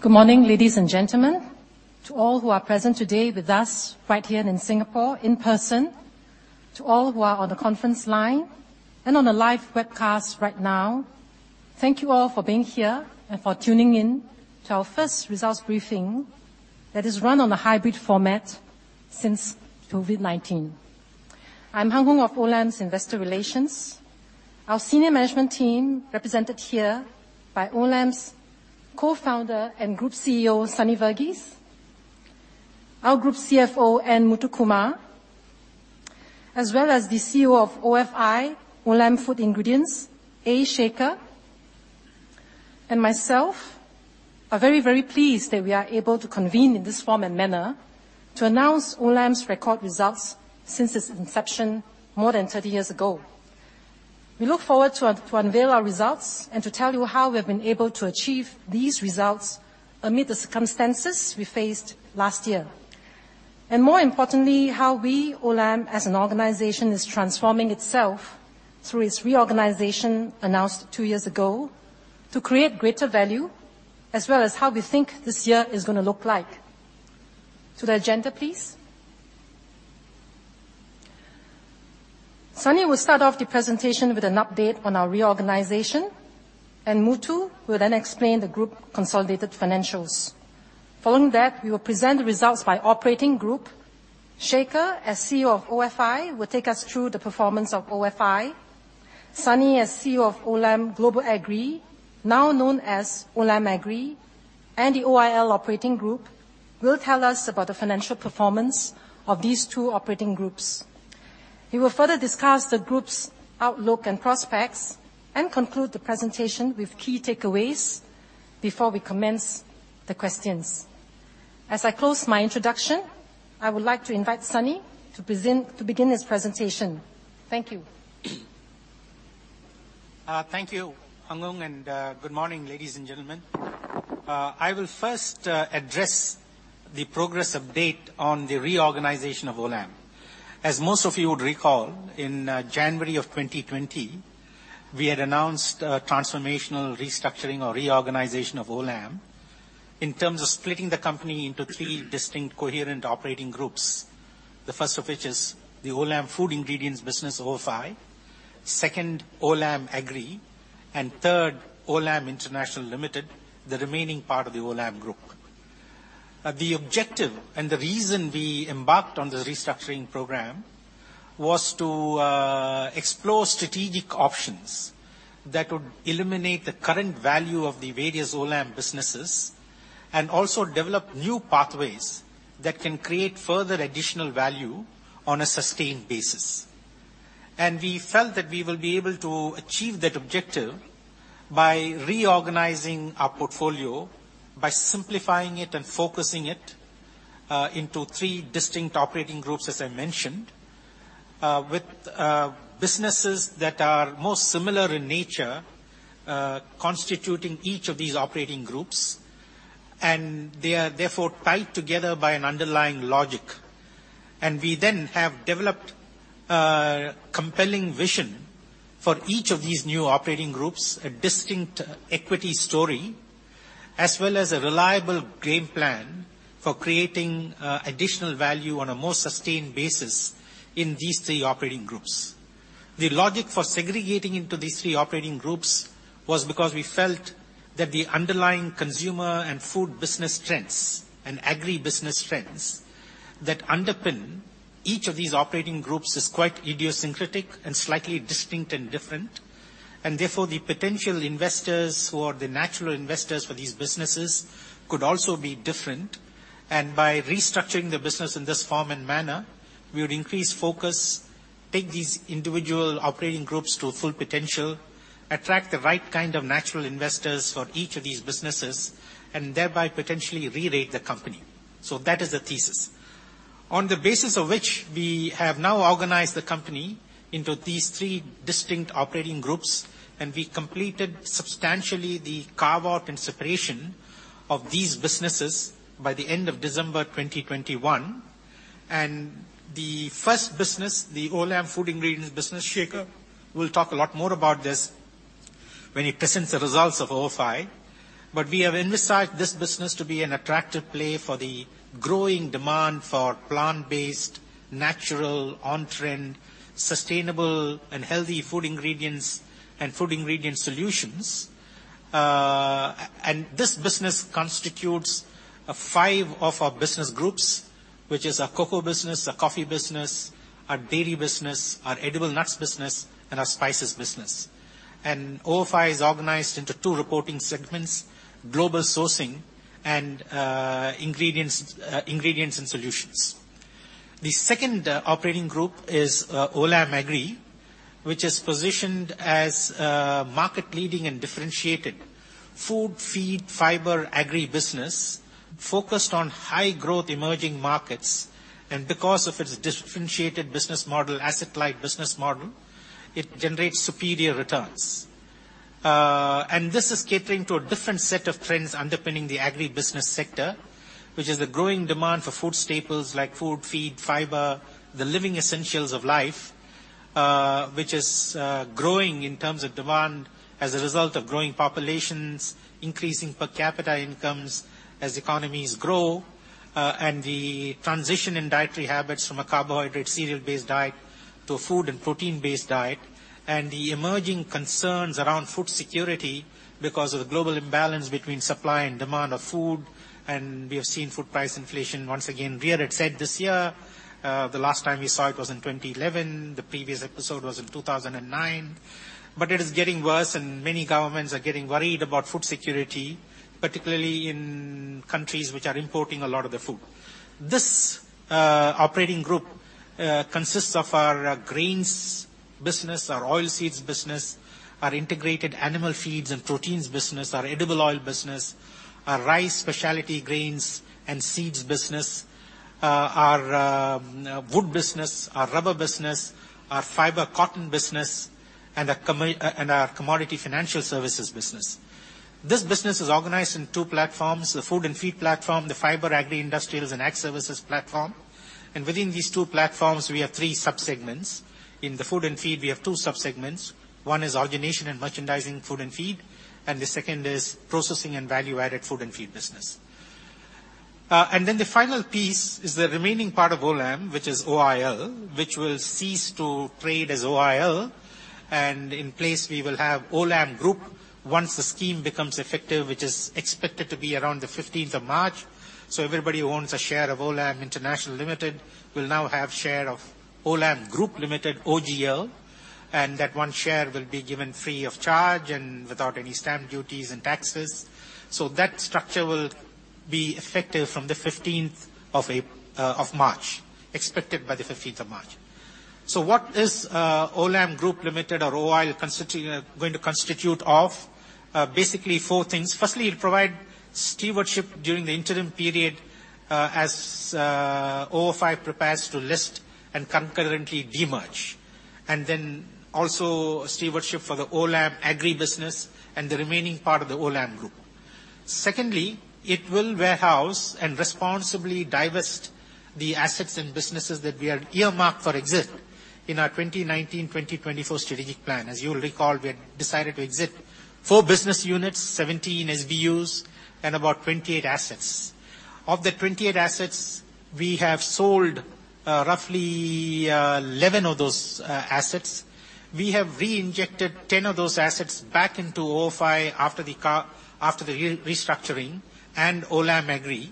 Good morning, ladies and gentlemen. To all who are present today with us right here in Singapore in person, to all who are on the conference line and on a live webcast right now, thank you all for being here and for tuning in to our first results briefing that is run on a hybrid format since COVID-19. I'm Hung Hoeng of Olam's Investor Relations. Our senior management team, represented here by Olam's Co-founder and Group CEO, Sunny Verghese, our Group CFO, N. Muthukumar, as well as the CEO of OFI, Olam Food Ingredients, A. Shekhar, and myself are very, very pleased that we are able to convene in this form and manner to announce Olam's record results since its inception more than 30 years ago. We look forward to unveil our results and to tell you how we have been able to achieve these results amid the circumstances we faced last year. More importantly, how we, Olam, as an organization, is transforming itself through its reorganization announced two years ago to create greater value, as well as how we think this year is gonna look like. To the agenda, please. Sunny will start off the presentation with an update on our reorganization, and Muthu will then explain the group consolidated financials. Following that, we will present the results by operating group. Shekhar, as CEO of OFI, will take us through the performance of OFI. Sunny, as CEO of Olam Global Agri, now known as Olam Agri, and the OIL operating group, will tell us about the financial performance of these two operating groups. He will further discuss the group's outlook and prospects and conclude the presentation with key takeaways before we commence the questions. As I close my introduction, I would like to invite Sunny to begin his presentation. Thank you. Thank you, Hung Hoeng, and good morning, ladies and gentlemen. I will first address the progress update on the reorganization of Olam. As most of you would recall, in January 2020, we had announced a transformational restructuring or reorganization of Olam in terms of splitting the company into three distinct coherent operating groups. The first of which is the Olam Food Ingredients business, OFI. Second, Olam Agri. Third, Olam International Limited, the remaining part of the Olam group. The objective and the reason we embarked on the restructuring program was to explore strategic options that would unlock the current value of the various Olam businesses and also develop new pathways that can create further additional value on a sustained basis. We felt that we will be able to achieve that objective by reorganizing our portfolio, by simplifying it and focusing it, into three distinct operating groups, as I mentioned, with businesses that are most similar in nature, constituting each of these operating groups, and they are therefore tied together by an underlying logic. We then have developed a compelling vision for each of these new operating groups, a distinct equity story, as well as a reliable game plan for creating additional value on a more sustained basis in these three operating groups. The logic for segregating into these three operating groups was because we felt that the underlying consumer and food business trends and agri business trends that underpin each of these operating groups is quite idiosyncratic and slightly distinct and different. Therefore, the potential investors who are the natural investors for these businesses could also be different. By restructuring the business in this form and manner, we would increase focus, take these individual operating groups to full potential, attract the right kind of natural investors for each of these businesses, and thereby potentially re-rate the company. That is the thesis. On the basis of which we have now organized the company into these three distinct operating groups, and we completed substantially the carve-out and separation of these businesses by the end of December 2021. The first business, the Olam Food Ingredients business, Shekhar will talk a lot more about this when he presents the results of OFI. We have envisaged this business to be an attractive play for the growing demand for plant-based, natural, on-trend, sustainable and healthy food ingredients and food ingredient solutions. This business constitutes five of our business groups, which is our cocoa business, our coffee business, our dairy business, our edible nuts business, and our spices business. OFI is organized into two reporting segments, Global Sourcing and Ingredients and Solutions. The second operating group is Olam Agri, which is positioned as market leading and differentiated Food, Feed, Fibre, Agri business focused on high growth emerging markets. Because of its differentiated business model, asset-light business model, it generates superior returns. This is catering to a different set of trends underpinning the agri business sector, which is the growing demand for food staples like Food, Feed, Fibre, the living essentials of life, which is growing in terms of demand as a result of growing populations, increasing per capita incomes as economies grow, and the transition in dietary habits from a carbohydrate cereal-based diet to a food and protein-based diet, and the emerging concerns around food security because of the global imbalance between supply and demand of food. We have seen food price inflation once again reared its head this year. The last time we saw it was in 2011. The previous episode was in 2009. It is getting worse, and many governments are getting worried about food security, particularly in countries which are importing a lot of their food. This operating group consists of our grains business, our oilseeds business, our integrated animal feeds and proteins business, our edible oil business, our rice, specialty grains and seeds business, our wood business, our rubber business, our fiber cotton business, and our commodity financial services business. This business is organized in two platforms, the food and feed platform, the Fibre, Agri-Industrials and Ag Services platform. Within these two platforms, we have three sub-segments. In the food and feed, we have two sub-segments. One is origination and merchandising food and feed, and the second is processing and value-added food and feed business. The final piece is the remaining part of Olam, which is OIL, which will cease to trade as OIL. In place, we will have Olam Group once the scheme becomes effective, which is expected to be around the 15th of March. Everybody who owns a share of Olam International Limited will now have share of Olam Group Limited, OGL, and that one share will be given free of charge and without any stamp duties and taxes. That structure will be effective from the 15th of March, expected by the 15th of March. What is Olam Group Limited or OIL going to consist of? Basically four things. Firstly, it will provide stewardship during the interim period as OFI prepares to list and concurrently de-merge, and then also stewardship for the Olam Agri business and the remaining part of the Olam Group. Secondly, it will warehouse and responsibly divest the assets and businesses that we had earmarked for exit in our 2019, 2024 strategic plan. As you'll recall, we had decided to exit four business units, 17 SBUs, and about 28 assets. Of the 28 assets, we have sold roughly 11 of those assets. We have reinjected 10 of those assets back into OFI after the restructuring and Olam Agri.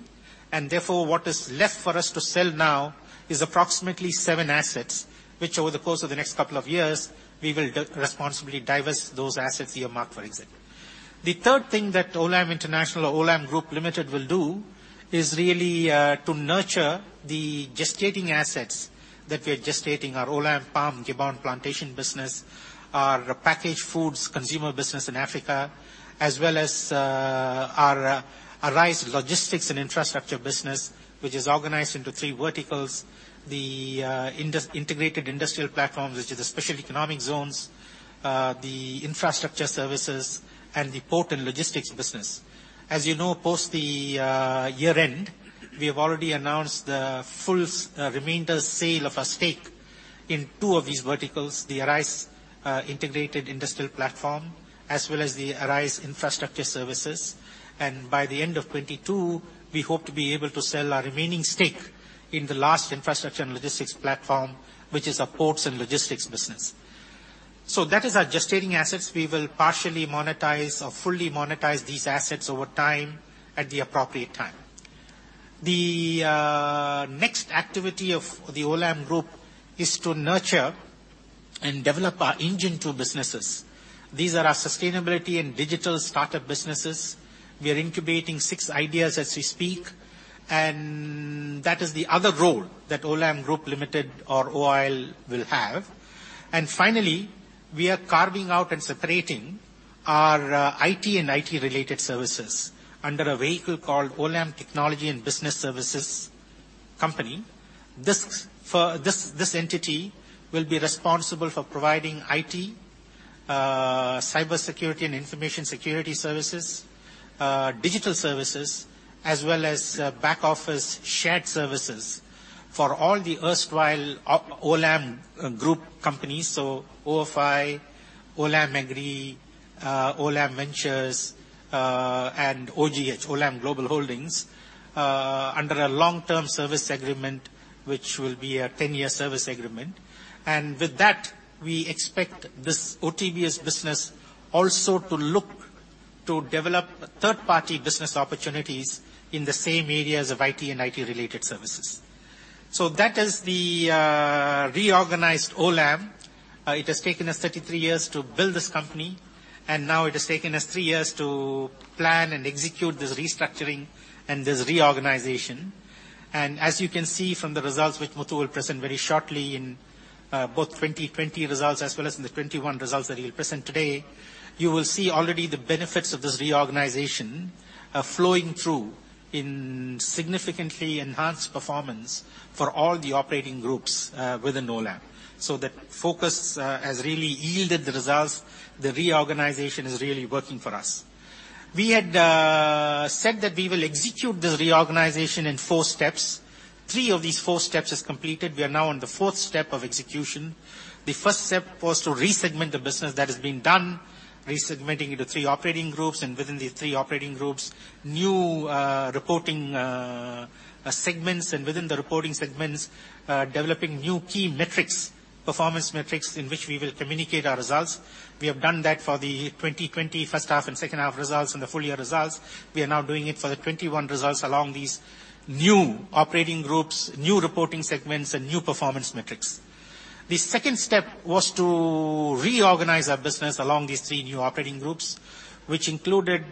Therefore, what is left for us to sell now is approximately seven assets, which over the course of the next couple of years, we will responsibly divest those assets earmarked for exit. The third thing that Olam International or Olam Group Limited will do is really to nurture the gestating assets that we are gestating, our Olam Palm Gabon Plantation business, our packaged foods consumer business in Africa, as well as our ARISE Logistics and Infrastructure business, which is organized into three verticals, the integrated industrial platform, which is the special economic zones, the infrastructure services, and the port and logistics business. As you know, post the year-end, we have already announced the full remainder sale of our stake in two of these verticals, the ARISE Integrated Industrial Platforms, as well as the ARISE Infrastructure Services. By the end of 2022, we hope to be able to sell our remaining stake in the last infrastructure and logistics platform, which is our ports and logistics business. That is our gestating assets. We will partially monetize or fully monetize these assets over time at the appropriate time. The next activity of the Olam Group is to nurture and develop our Engine 2 businesses. These are our sustainability and digital startup businesses. We are incubating six ideas as we speak, and that is the other role that Olam Group Limited or OIL will have. Finally, we are carving out and separating our IT and IT-related services under a vehicle called Olam Technology and Business Services company. This entity will be responsible for providing IT, cybersecurity and information security services, digital services, as well as back office shared services for all the erstwhile Olam Group companies, OFI, Olam Agri, Olam Ventures, and OGH, Olam Global Holdco, under a long-term service agreement, which will be a 10-year service agreement. With that, we expect this OTBS business also to look to develop third-party business opportunities in the same areas of IT and IT-related services. That is the reorganized Olam. It has taken us 33 years to build this company, and now it has taken us three years to plan and execute this restructuring and this reorganization. As you can see from the results which Muthu will present very shortly in both 2020 results as well as in the 2021 results that he'll present today, you will see already the benefits of this reorganization flowing through in significantly enhanced performance for all the operating groups within Olam. The focus has really yielded the results. The reorganization is really working for us. We had said that we will execute this reorganization in four steps. Three of these four steps is completed. We are now on the fourth step of execution. The first step was to re-segment the business. That has been done. Re-segmenting into three operating groups, and within the three operating groups, new, reporting, segments, and within the reporting segments, developing new key metrics, performance metrics in which we will communicate our results. We have done that for the 2020 first half and second half results and the full year results. We are now doing it for the 2021 results along these new operating groups, new reporting segments and new performance metrics. The second step was to reorganize our business along these three new operating groups, which included,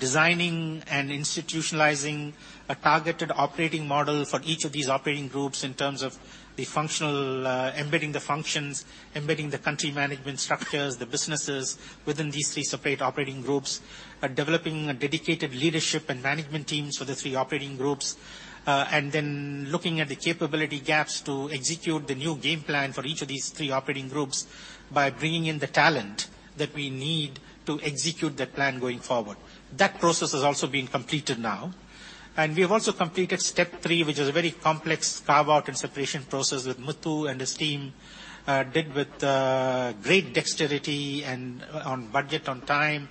designing and institutionalizing a targeted operating model for each of these operating groups in terms of the functional, embedding the functions, embedding the country management structures, the businesses within these three separate operating groups. Developing a dedicated leadership and management teams for the three operating groups, and then looking at the capability gaps to execute the new game plan for each of these three operating groups by bringing in the talent that we need to execute that plan going forward. That process is also being completed now. We have also completed step three, which is a very complex carve-out and separation process that Muthu and his team did with great dexterity and on budget, on time.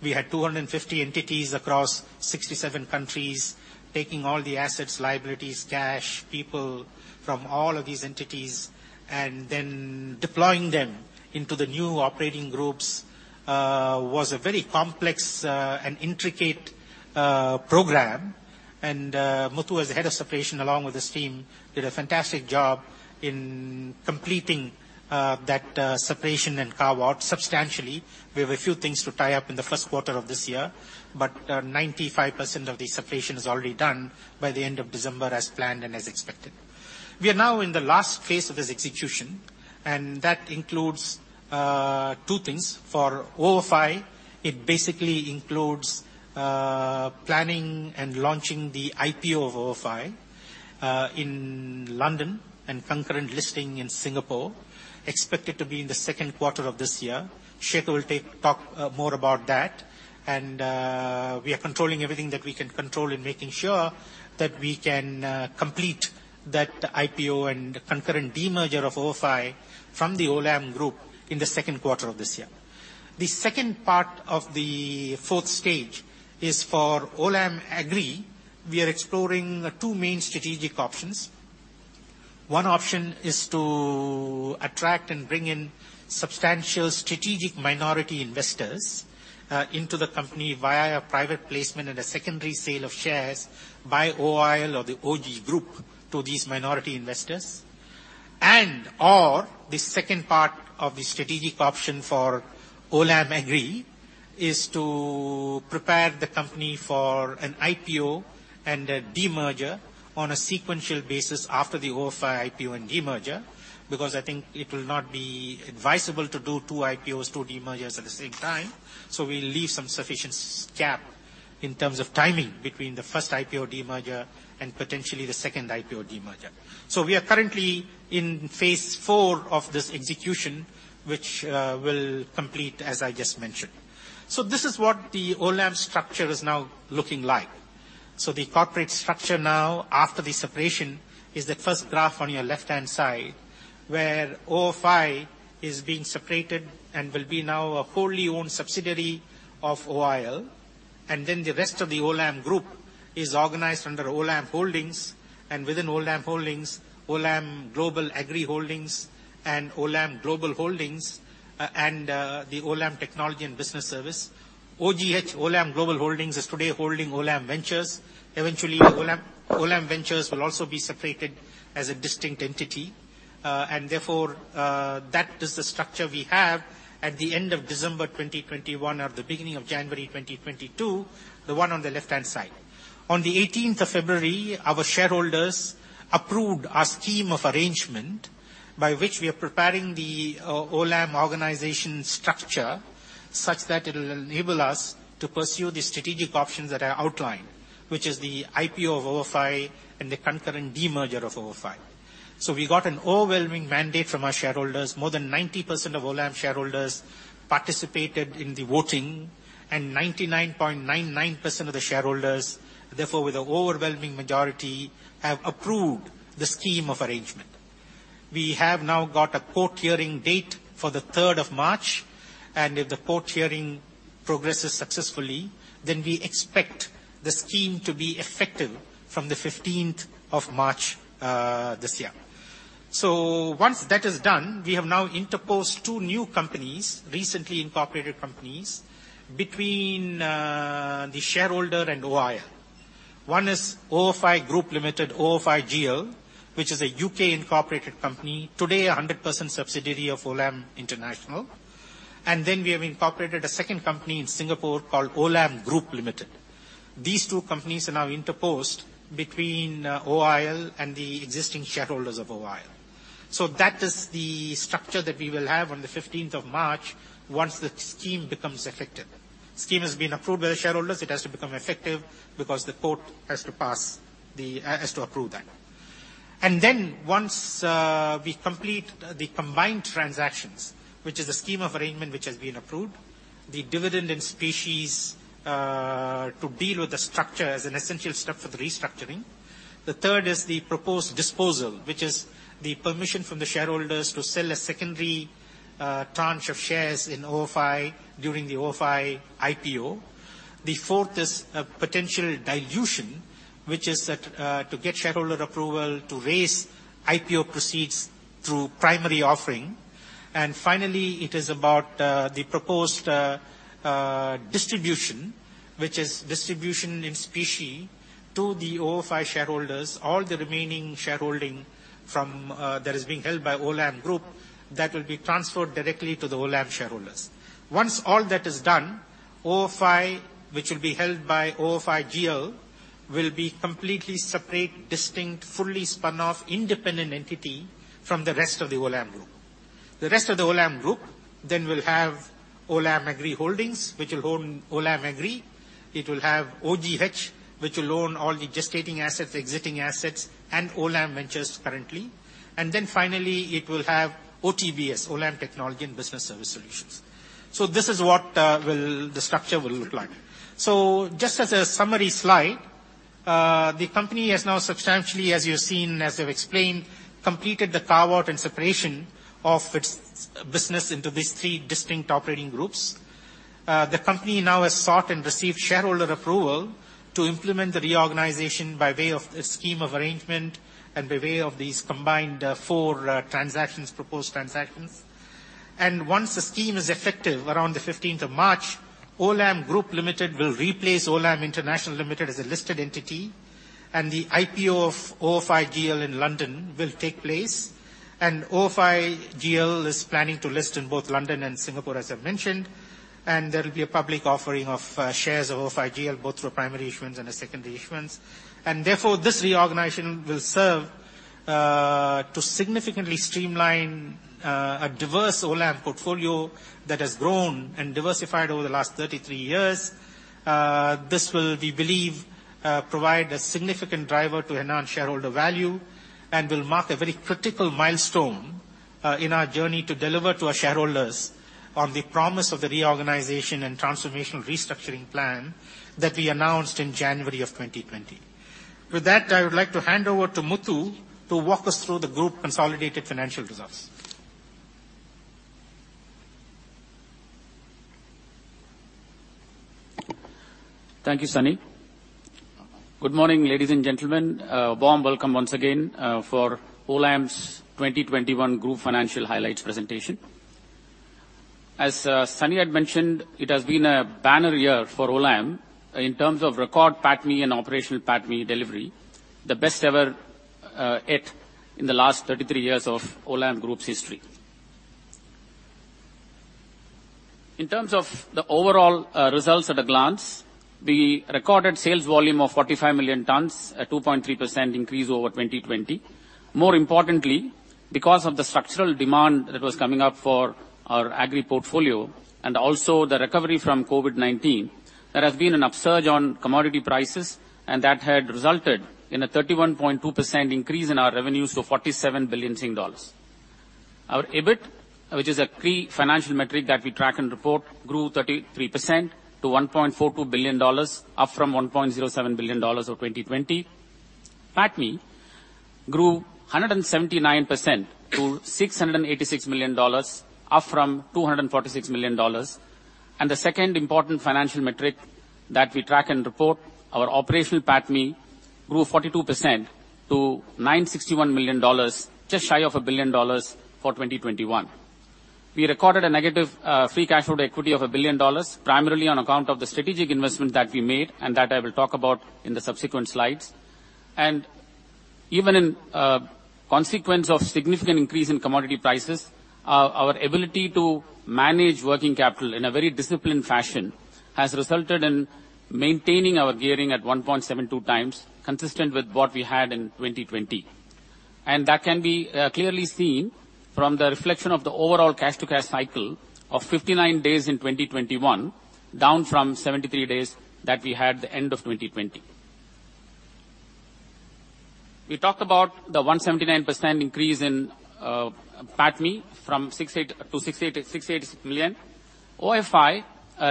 We had 250 entities across 67 countries, taking all the assets, liabilities, cash, people from all of these entities and then deploying them into the new operating groups, which was a very complex and intricate program. Muthu, as the head of separation, along with his team, did a fantastic job in completing that separation and carve-out substantially. We have a few things to tie up in the first quarter of this year, but 95% of the separation is already done by the end of December as planned and as expected. We are now in the last phase of this execution, and that includes two things. For OFI, it basically includes planning and launching the IPO of OFI in London and concurrent listing in Singapore, expected to be in the second quarter of this year. Shekhar will talk more about that. We are controlling everything that we can control and making sure that we can complete that IPO and concurrent demerger of OFI from the Olam Group in the second quarter of this year. The second part of the fourth stage is for Olam Agri. We are exploring two main strategic options. One option is to attract and bring in substantial strategic minority investors into the company via a private placement and a secondary sale of shares by OIL or the OG Group to these minority investors. The second part of the strategic option for Olam Agri is to prepare the company for an IPO and a demerger on a sequential basis after the OFI IPO and demerger, because I think it will not be advisable to do two IPOs, two demergers at the same time. We'll leave some sufficient gap in terms of timing between the first IPO demerger and potentially the second IPO demerger. We are currently in phase four of this execution, which will complete as I just mentioned. This is what the Olam structure is now looking like. The corporate structure now after the separation is that first graph on your left-hand side, where OFI is being separated and will be now a wholly owned subsidiary of OIL. Then the rest of the Olam Group is organized under Olam Holdings, and within Olam Holdings, Olam Agri Holdings and Olam Global Holdco, the Olam Technology and Business Services. OGH, Olam Global Holdco, is today holding Olam Ventures. Eventually, Olam Ventures will also be separated as a distinct entity. That is the structure we have at the end of December 2021 or the beginning of January 2022, the one on the left-hand side. On the 18th of February, our shareholders approved our scheme of arrangement by which we are preparing the Olam organization structure such that it will enable us to pursue the strategic options that I outlined, which is the IPO of OFI and the concurrent demerger of OFI. We got an overwhelming mandate from our shareholders. More than 90% of Olam shareholders participated in the voting, and 99.99% of the shareholders, therefore, with the overwhelming majority, have approved the scheme of arrangement. We have now got a court hearing date for the 3rd of March, and if the court hearing progresses successfully, then we expect the scheme to be effective from the fifteenth of March, this year. Once that is done, we have now interposed two new companies, recently incorporated companies, between the shareholder and OIL. One is OFI Group Limited, OFI GL, which is a U.K.-incorporated company, today a 100% subsidiary of Olam International. We have incorporated a second company in Singapore called Olam Group Limited. These two companies are now interposed between OIL and the existing shareholders of OIL. That is the structure that we will have on the 15th of March once the scheme becomes effective. The scheme has been approved by the shareholders. It has to become effective because the court has to approve that. Once we complete the combined transactions, which is a Scheme of Arrangement which has been approved, the dividend in specie to deal with the structure as an essential step for the restructuring. The third is the proposed disposal, which is the permission from the shareholders to sell a secondary tranche of shares in OFI during the OFI IPO. The fourth is a potential dilution, which is that to get shareholder approval to raise IPO proceeds through primary offering. Finally, it is about the proposed distribution, which is distribution in specie to the OFI shareholders, all the remaining shareholding from that is being held by Olam Group that will be transferred directly to the Olam shareholders. Once all that is done, OFI, which will be held by OFI GL, will be completely separate, distinct, fully spun-off independent entity from the rest of the Olam Group. The rest of the Olam Group then will have Olam Agri Holdings, which will own Olam Agri. It will have OGH, which will own all the gestating assets, exiting assets, and Olam Ventures currently. Then finally, it will have OTBS, Olam Technology and Business Services. This is what the structure will look like. Just as a summary slide, the company has now substantially, as you have seen, as I've explained, completed the carve-out and separation of its business into these three distinct operating groups. The company now has sought and received shareholder approval to implement the reorganization by way of a scheme of arrangement and by way of these combined four transactions, proposed transactions. Once the scheme is effective around the fifteenth of March, Olam Group Limited will replace Olam International Limited as a listed entity, and the IPO of OFI GL in London will take place. OFI GL is planning to list in both London and Singapore, as I've mentioned, and there will be a public offering of shares of OFI GL, both through primary issuance and a secondary issuance. Therefore, this reorganization will serve to significantly streamline a diverse Olam portfolio that has grown and diversified over the last 33 years. This will, we believe, provide a significant driver to enhance shareholder value and will mark a very critical milestone in our journey to deliver to our shareholders on the promise of the reorganization and transformational restructuring plan that we announced in January 2020. With that, I would like to hand over to Muthu to walk us through the group consolidated financial results. Thank you, Sunny. Good morning, ladies and gentlemen. Warm welcome once again for Olam's 2021 group financial highlights presentation. As Sunny had mentioned, it has been a banner year for Olam in terms of record PATMI and operational PATMI delivery, the best ever yet in the last 33 years of Olam Group's history. In terms of the overall results at a glance, we recorded sales volume of 45 million tons, a 2.3% increase over 2020. More importantly, because of the structural demand that was coming up for our agri portfolio and also the recovery from COVID-19, there has been an upsurge on commodity prices, and that had resulted in a 31.2% increase in our revenues to 47 billion Sing dollars. Our EBIT, which is a key financial metric that we track and report, grew 33% to $1.42 billion, up from $1.07 billion of 2020. PATMI grew 179% to $686 million, up from $246 million. The second important financial metric that we track and report, our operational PATMI, grew 42% to $961 million, just shy of $1 billion for 2021. We recorded a negative free cash flow to equity of $1 billion, primarily on account of the strategic investment that we made, and that I will talk about in the subsequent slides. Even in consequence of significant increase in commodity prices, our ability to manage working capital in a very disciplined fashion has resulted in maintaining our gearing at 1.72 times, consistent with what we had in 2020. That can be clearly seen from the reflection of the overall cash-to-cash cycle of 59 days in 2021, down from 73 days that we had at the end of 2020. We talked about the 179% increase in PATMI from 68 million to 188 million. OFI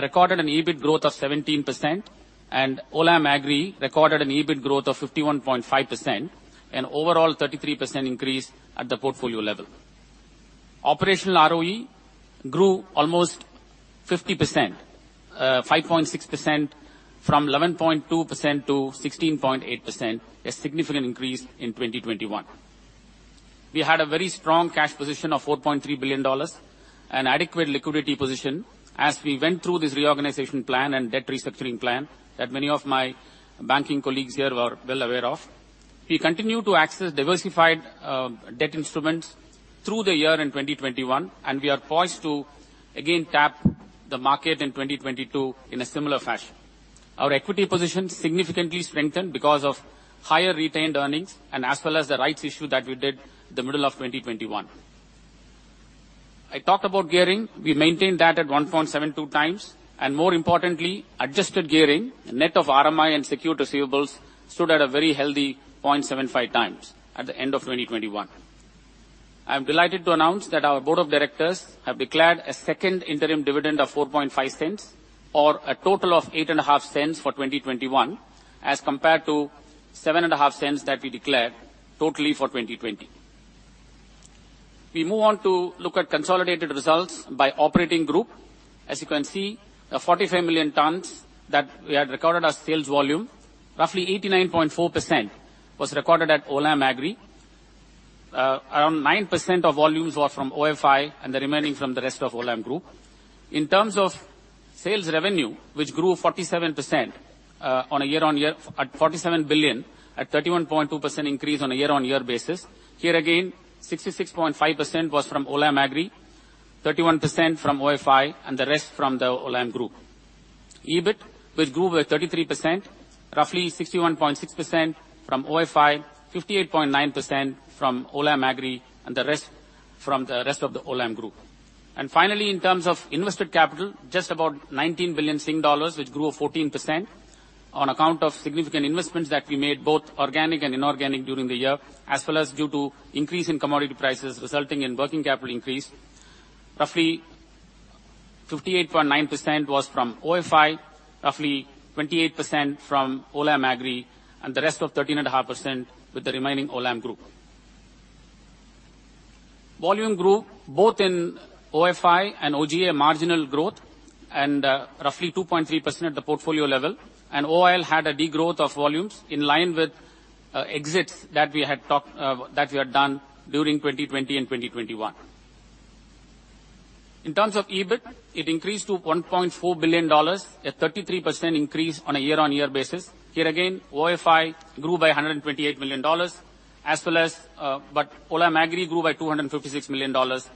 recorded an EBIT growth of 17%, and Olam Agri recorded an EBIT growth of 51.5%, an overall 33% increase at the portfolio level. Operational ROE grew almost 50%, 5.6% from 11.2% to 16.8%, a significant increase in 2021. We had a very strong cash position of $4.3 billion and adequate liquidity position as we went through this reorganization plan and debt restructuring plan that many of my banking colleagues here are well aware of. We continue to access diversified debt instruments through the year in 2021, and we are poised to again tap the market in 2022 in a similar fashion. Our equity position significantly strengthened because of higher retained earnings and as well as the rights issue that we did the middle of 2021. I talked about gearing. We maintained that at 1.72 times, and more importantly, adjusted gearing. Net of RMI and secured receivables stood at a very healthy 0.75 times at the end of 2021. I'm delighted to announce that our board of directors have declared a second interim dividend of 0.045, or a total of 0.085 for 2021, as compared to 0.075 that we declared in total for 2020. We move on to look at consolidated results by operating group. As you can see, the 45 million tons that we had recorded as sales volume, roughly 89.4% was recorded at Olam Agri. Around 9% of volumes were from OFI and the remaining from the rest of Olam Group. In terms of sales revenue of 47 billion, a 31.2% increase on a year-on-year basis, here again, 66.5% was from Olam Agri, 31% from OFI and the rest from the Olam Group. EBIT, which grew by 33%, roughly 61.6% from OFI, 58.9% from Olam Agri and the rest from the rest of the Olam Group. Finally, in terms of invested capital, just about 19 billion Sing dollars, which grew 14% on account of significant investments that we made, both organic and inorganic, during the year, as well as due to increase in commodity prices resulting in working capital increase. Roughly 58.9% was from OFI, roughly 28% from Olam Agri, and the rest of 13.5% with the remaining Olam Group. Volume grew both in OFI and OGA marginal growth and, roughly 2.3% at the portfolio level, and OIL had a degrowth of volumes in line with, exits that we had talked... That we had done during 2020 and 2021. In terms of EBIT, it increased to 1.4 billion dollars, a 33% increase on a year-on-year basis. Here again, OFI grew by 128 million dollars as well as, but Olam Agri grew by 256 million dollars.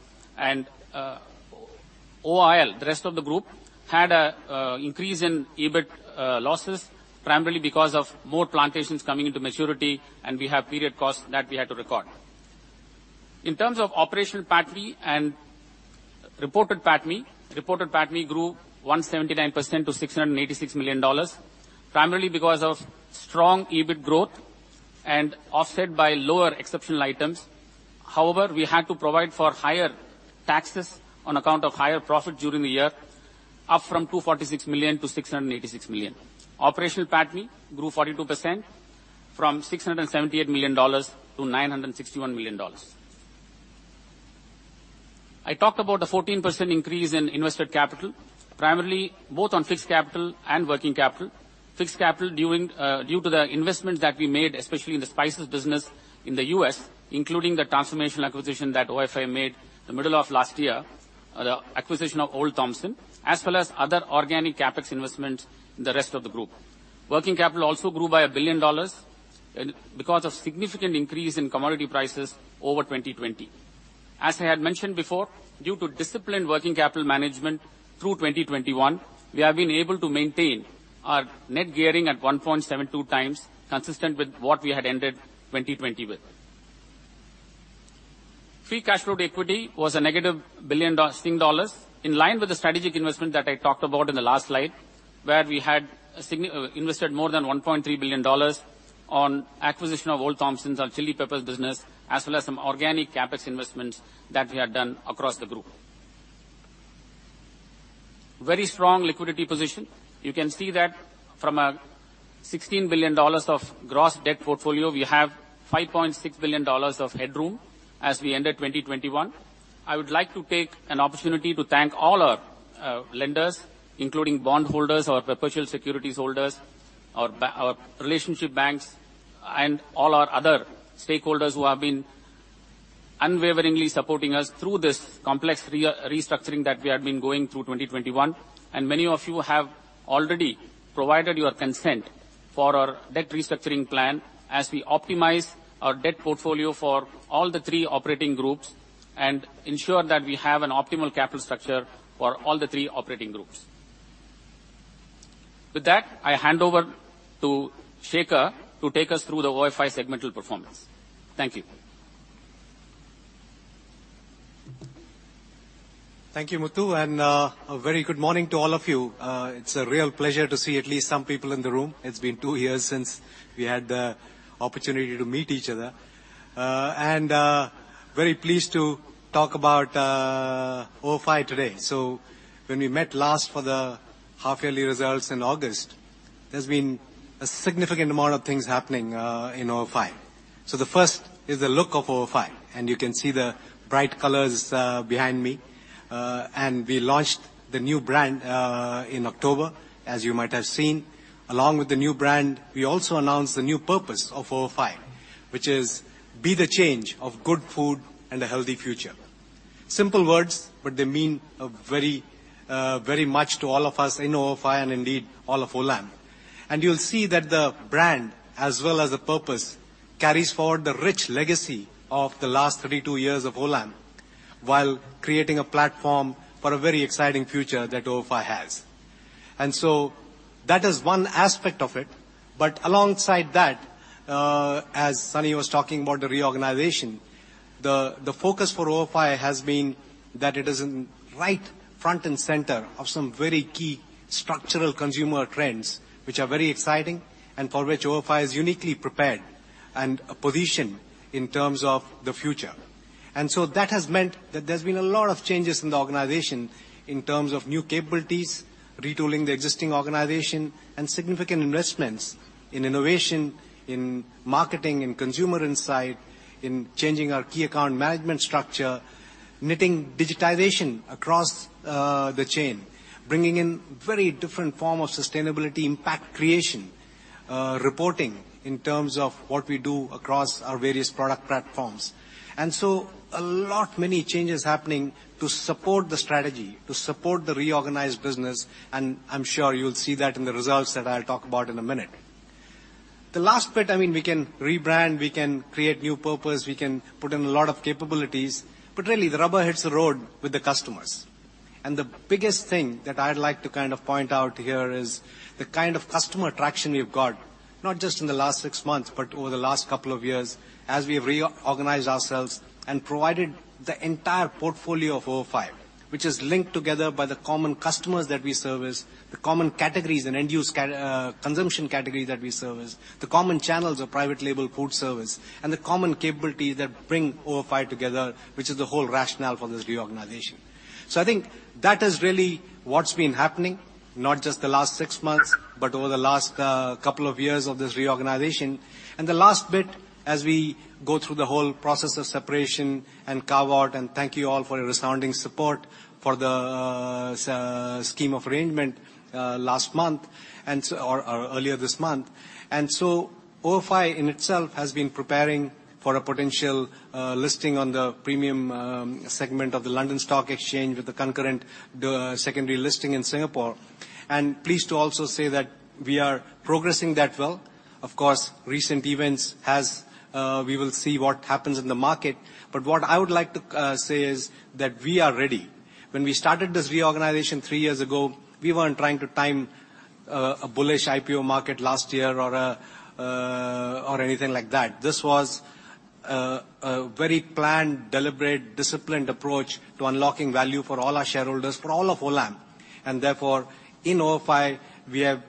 OIL, the rest of the group, had an increase in EBIT losses, primarily because of more plantations coming into maturity, and we have period costs that we had to record. In terms of operational PATMI and reported PATMI, reported PATMI grew 179% to 686 million dollars, primarily because of strong EBIT growth and offset by lower exceptional items. However, we had to provide for higher taxes on account of higher profit during the year, up from 246 million to 686 million. Operational PATMI grew 42% from 678 million dollars to 961 million dollars. I talked about the 14% increase in invested capital, primarily both on fixed capital and working capital. Fixed capital during due to the investments that we made, especially in the spices business in the U.S., including the transformational acquisition that OFI made the middle of last year, the acquisition of Olde Thompson, as well as other organic CapEx investments in the rest of the group. Working capital also grew by 1 billion dollars and because of significant increase in commodity prices over 2020. As I had mentioned before, due to disciplined working capital management through 2021, we have been able to maintain our net gearing at 1.72 times, consistent with what we had ended 2020 with. Free cash flow to equity was negative 1 billion dollars in line with the strategic investment that I talked about in the last slide, where we had invested more than 1.3 billion dollars on acquisition of Olde Thompson, our chili peppers business, as well as some organic CapEx investments that we had done across the group. Very strong liquidity position. You can see that from our 16 billion dollars of gross debt portfolio, we have 5.6 billion dollars of headroom as we ended 2021. I would like to take an opportunity to thank all our lenders, including bond holders, our perpetual securities holders, our relationship banks, and all our other stakeholders who have been unwaveringly supporting us through this complex restructuring that we had been going through 2021. Many of you have already provided your consent for our debt restructuring plan as we optimize our debt portfolio for all the three operating groups and ensure that we have an optimal capital structure for all the three operating groups. With that, I hand over to Shekhar to take us through the OFI segmental performance. Thank you. Thank you, Muthu, and a very good morning to all of you. It's a real pleasure to see at least some people in the room. It's been two years since we had the opportunity to meet each other. Very pleased to talk about OFI today. When we met last for the half-yearly results in August, there's been a significant amount of things happening in OFI. The first is the look of OFI, and you can see the bright colors behind me. We launched the new brand in October, as you might have seen. Along with the new brand, we also announced the new purpose of OFI, which is Be the Change of Good Food and a Healthy Future. Simple words, but they mean very much to all of us in OFI and indeed all of Olam. You'll see that the brand as well as the purpose carries forward the rich legacy of the last 32 years of Olam, while creating a platform for a very exciting future that OFI has. That is one aspect of it. Alongside that, as Sunny was talking about the reorganization, the focus for OFI has been that it is in right front and center of some very key structural consumer trends, which are very exciting and for which OFI is uniquely prepared and positioned in terms of the future. That has meant that there's been a lot of changes in the organization in terms of new capabilities, retooling the existing organization, and significant investments in innovation, in marketing and consumer insight, in changing our key account management structure, knitting digitization across the chain, bringing in very different form of sustainability impact creation, reporting in terms of what we do across our various product platforms. A lot many changes happening to support the strategy, to support the reorganized business, and I'm sure you'll see that in the results that I'll talk about in a minute. The last bit, I mean, we can rebrand, we can create new purpose, we can put in a lot of capabilities, but really the rubber hits the road with the customers. The biggest thing that I'd like to kind of point out here is the kind of customer traction we've got, not just in the last six months, but over the last couple of years as we've reorganized ourselves and provided the entire portfolio of OFI, which is linked together by the common customers that we service, the common categories and end use consumption categories that we service, the common channels of private label food service, and the common capabilities that bring OFI together, which is the whole rationale for this reorganization. I think that is really what's been happening, not just the last six months, but over the last couple of years of this reorganization. The last bit as we go through the whole process of separation and carve out, and thank you all for your resounding support for the scheme of arrangement last month or earlier this month. OFI in itself has been preparing for a potential listing on the premium segment of the London Stock Exchange with the concurrent secondary listing in Singapore. Pleased to also say that we are progressing that well. Of course, recent events has, we will see what happens in the market. What I would like to say is that we are ready. When we started this reorganization three years ago, we weren't trying to time a bullish IPO market last year or anything like that. This was a very planned, deliberate, disciplined approach to unlocking value for all our shareholders, for all of Olam. Therefore, in OFI, we have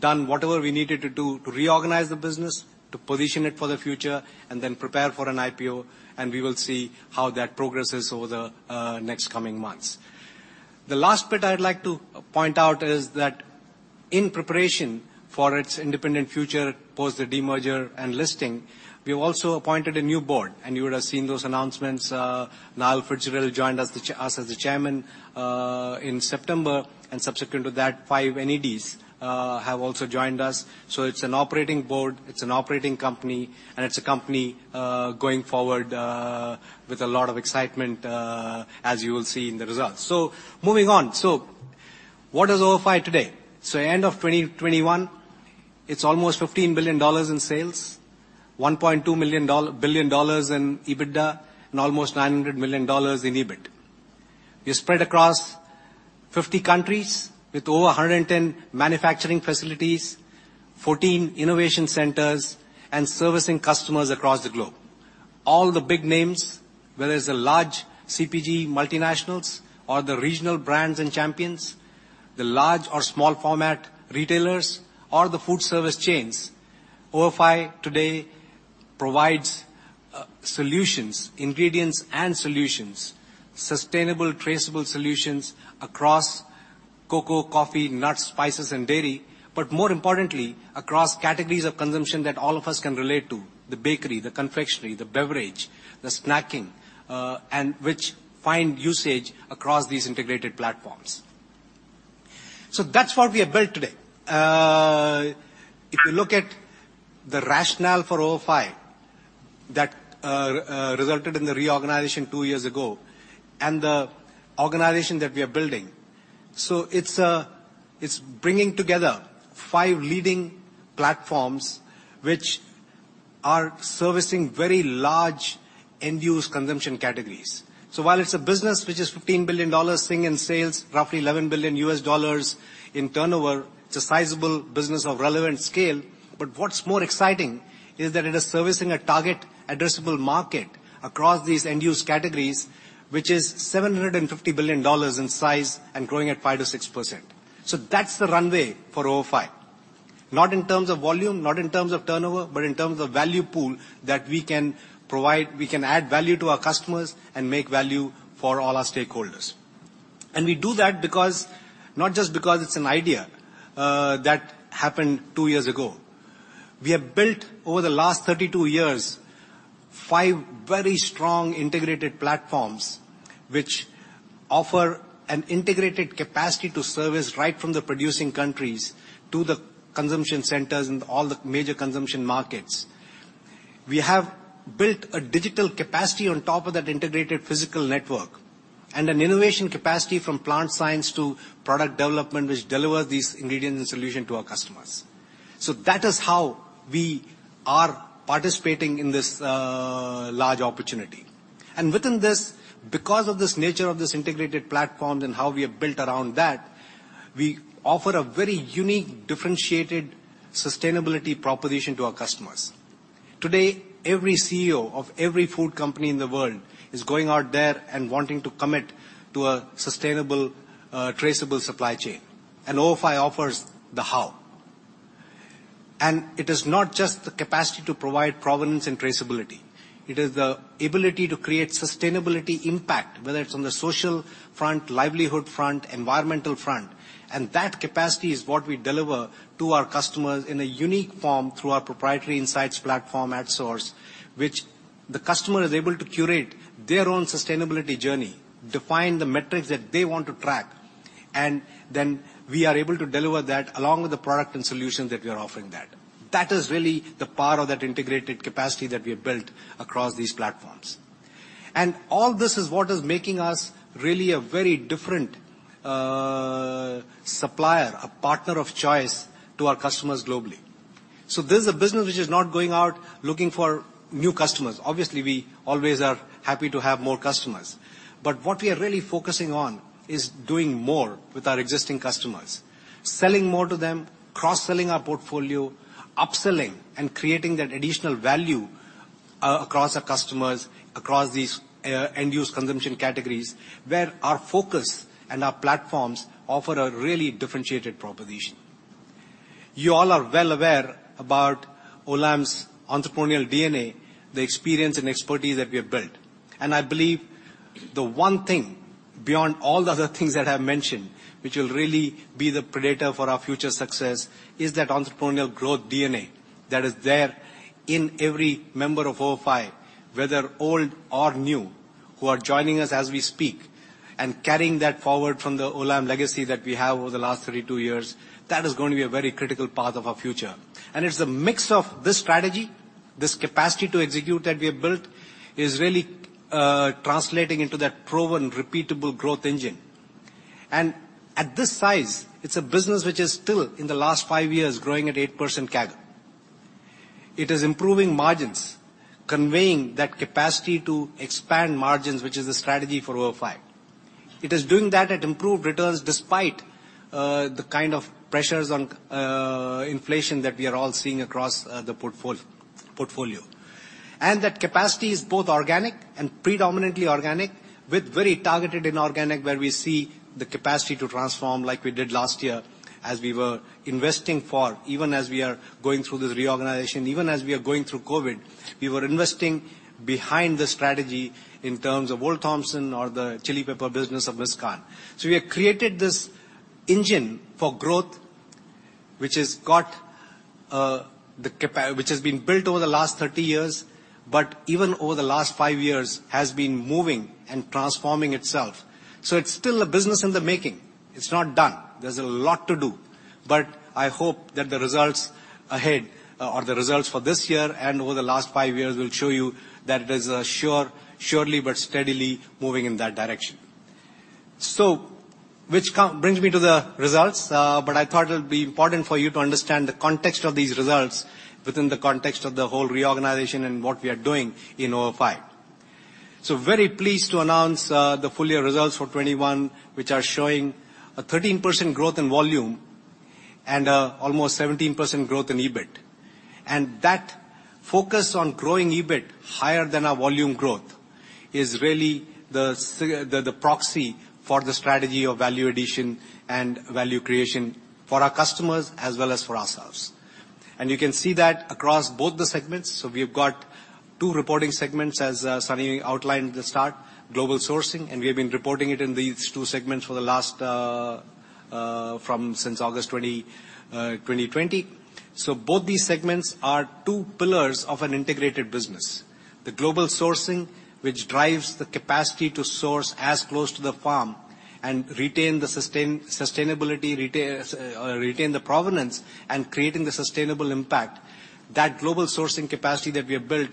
done whatever we needed to do to reorganize the business, to position it for the future, and then prepare for an IPO, and we will see how that progresses over the next coming months. The last bit I'd like to point out is that in preparation for its independent future post the demerger and listing, we've also appointed a new board, and you would have seen those announcements. Niall FitzGerald joined us as the Chairman in September, and subsequent to that, five NEDs have also joined us. It's an operating board, it's an operating company, and it's a company going forward with a lot of excitement as you will see in the results. Moving on. What is OFI today? End of 2021, it's almost $15 billion in sales, $1.2 billion in EBITDA, and almost $900 million in EBIT. We're spread across 50 countries with over 110 manufacturing facilities, 14 innovation centers and servicing customers across the globe. All the big names, whether it's the large CPG multinationals or the regional brands and champions, the large or small format retailers or the food service chains, OFI today provides solutions, ingredients and solutions, sustainable, traceable solutions across cocoa, coffee, nuts, spices, and dairy, but more importantly, across categories of consumption that all of us can relate to, the bakery, the confectionery, the beverage, the snacking, and which find usage across these integrated platforms. That's what we have built today. If you look at the rationale for OFI that resulted in the reorganization two years ago and the organization that we are building, it's bringing together five leading platforms which are servicing very large end use consumption categories. While it's a business which is $15 billion sitting in sales, roughly $11 billion in turnover, it's a sizable business of relevant scale. What's more exciting is that it is servicing a target addressable market across these end use categories, which is $750 billion in size and growing at 5%-6%. That's the runway for OFI. Not in terms of volume, not in terms of turnover, but in terms of value pool that we can provide. We can add value to our customers and make value for all our stakeholders. We do that because, not just because it's an idea that happened two years ago. We have built over the last 32 years, five very strong integrated platforms, which offer an integrated capacity to service right from the producing countries to the consumption centers and all the major consumption markets. We have built a digital capacity on top of that integrated physical network and an innovation capacity from plant science to product development, which deliver these ingredients and solution to our customers. So that is how we are participating in this large opportunity. Within this, because of this nature of this integrated platform and how we have built around that, we offer a very unique, differentiated sustainability proposition to our customers. Today, every CEO of every food company in the world is going out there and wanting to commit to a sustainable, traceable supply chain, and OFI offers the how. It is not just the capacity to provide provenance and traceability, it is the ability to create sustainability impact, whether it's on the social front, livelihood front, environmental front. That capacity is what we deliver to our customers in a unique form through our proprietary insights platform, AtSource, which the customer is able to curate their own sustainability journey, define the metrics that they want to track, and then we are able to deliver that along with the product and solutions that we are offering there. That is really the power of that integrated capacity that we have built across these platforms. All this is what is making us really a very different supplier, a partner of choice to our customers globally. This is a business which is not going out looking for new customers. Obviously, we always are happy to have more customers. What we are really focusing on is doing more with our existing customers, selling more to them, cross-selling our portfolio, upselling, and creating that additional value across our customers, across these end-user consumption categories, where our focus and our platforms offer a really differentiated proposition. You all are well aware about Olam's entrepreneurial DNA, the experience and expertise that we have built. I believe the one thing beyond all the other things that I've mentioned, which will really be the predictor for our future success, is that entrepreneurial growth DNA that is there in every member of OFI, whether old or new, who are joining us as we speak, and carrying that forward from the Olam legacy that we have over the last 32 years. That is going to be a very critical part of our future. It's the mix of this strategy, this capacity to execute that we have built, is really translating into that proven, repeatable growth engine. At this size, it's a business which is still, in the last five years, growing at 8% CAGR. It is improving margins, conveying that capacity to expand margins, which is the strategy for OFI. It is doing that at improved returns despite the kind of pressures on inflation that we are all seeing across the portfolio. That capacity is both organic and predominantly organic, with very targeted inorganic, where we see the capacity to transform like we did last year as we were investing for even as we are going through this reorganization, even as we are going through COVID, we were investing behind the strategy in terms of Olde Thompson or the chili pepper business of Mizkan. We have created this engine for growth, which has been built over the last 30 years, but even over the last five years has been moving and transforming itself. It's still a business in the making. It's not done. There's a lot to do. I hope that the results ahead, or the results for this year and over the last five years, will show you that it is surely but steadily moving in that direction, which brings me to the results. I thought it'd be important for you to understand the context of these results within the context of the whole reorganization and what we are doing in OFI. very pleased to announce the full year results for 2021, which are showing a 13% growth in volume and almost 17% growth in EBIT. That focus on growing EBIT higher than our volume growth is really the proxy for the strategy of value addition and value creation for our customers as well as for ourselves. You can see that across both the segments. We've got two reporting segments, as Sunny outlined at the start, global sourcing, and we have been reporting it in these two segments for the last from since August 2020. Both these segments are two pillars of an integrated business. The global sourcing, which drives the capacity to source as close to the farm and retain the sustainability, retain the provenance and creating the sustainable impact. That global sourcing capacity that we have built,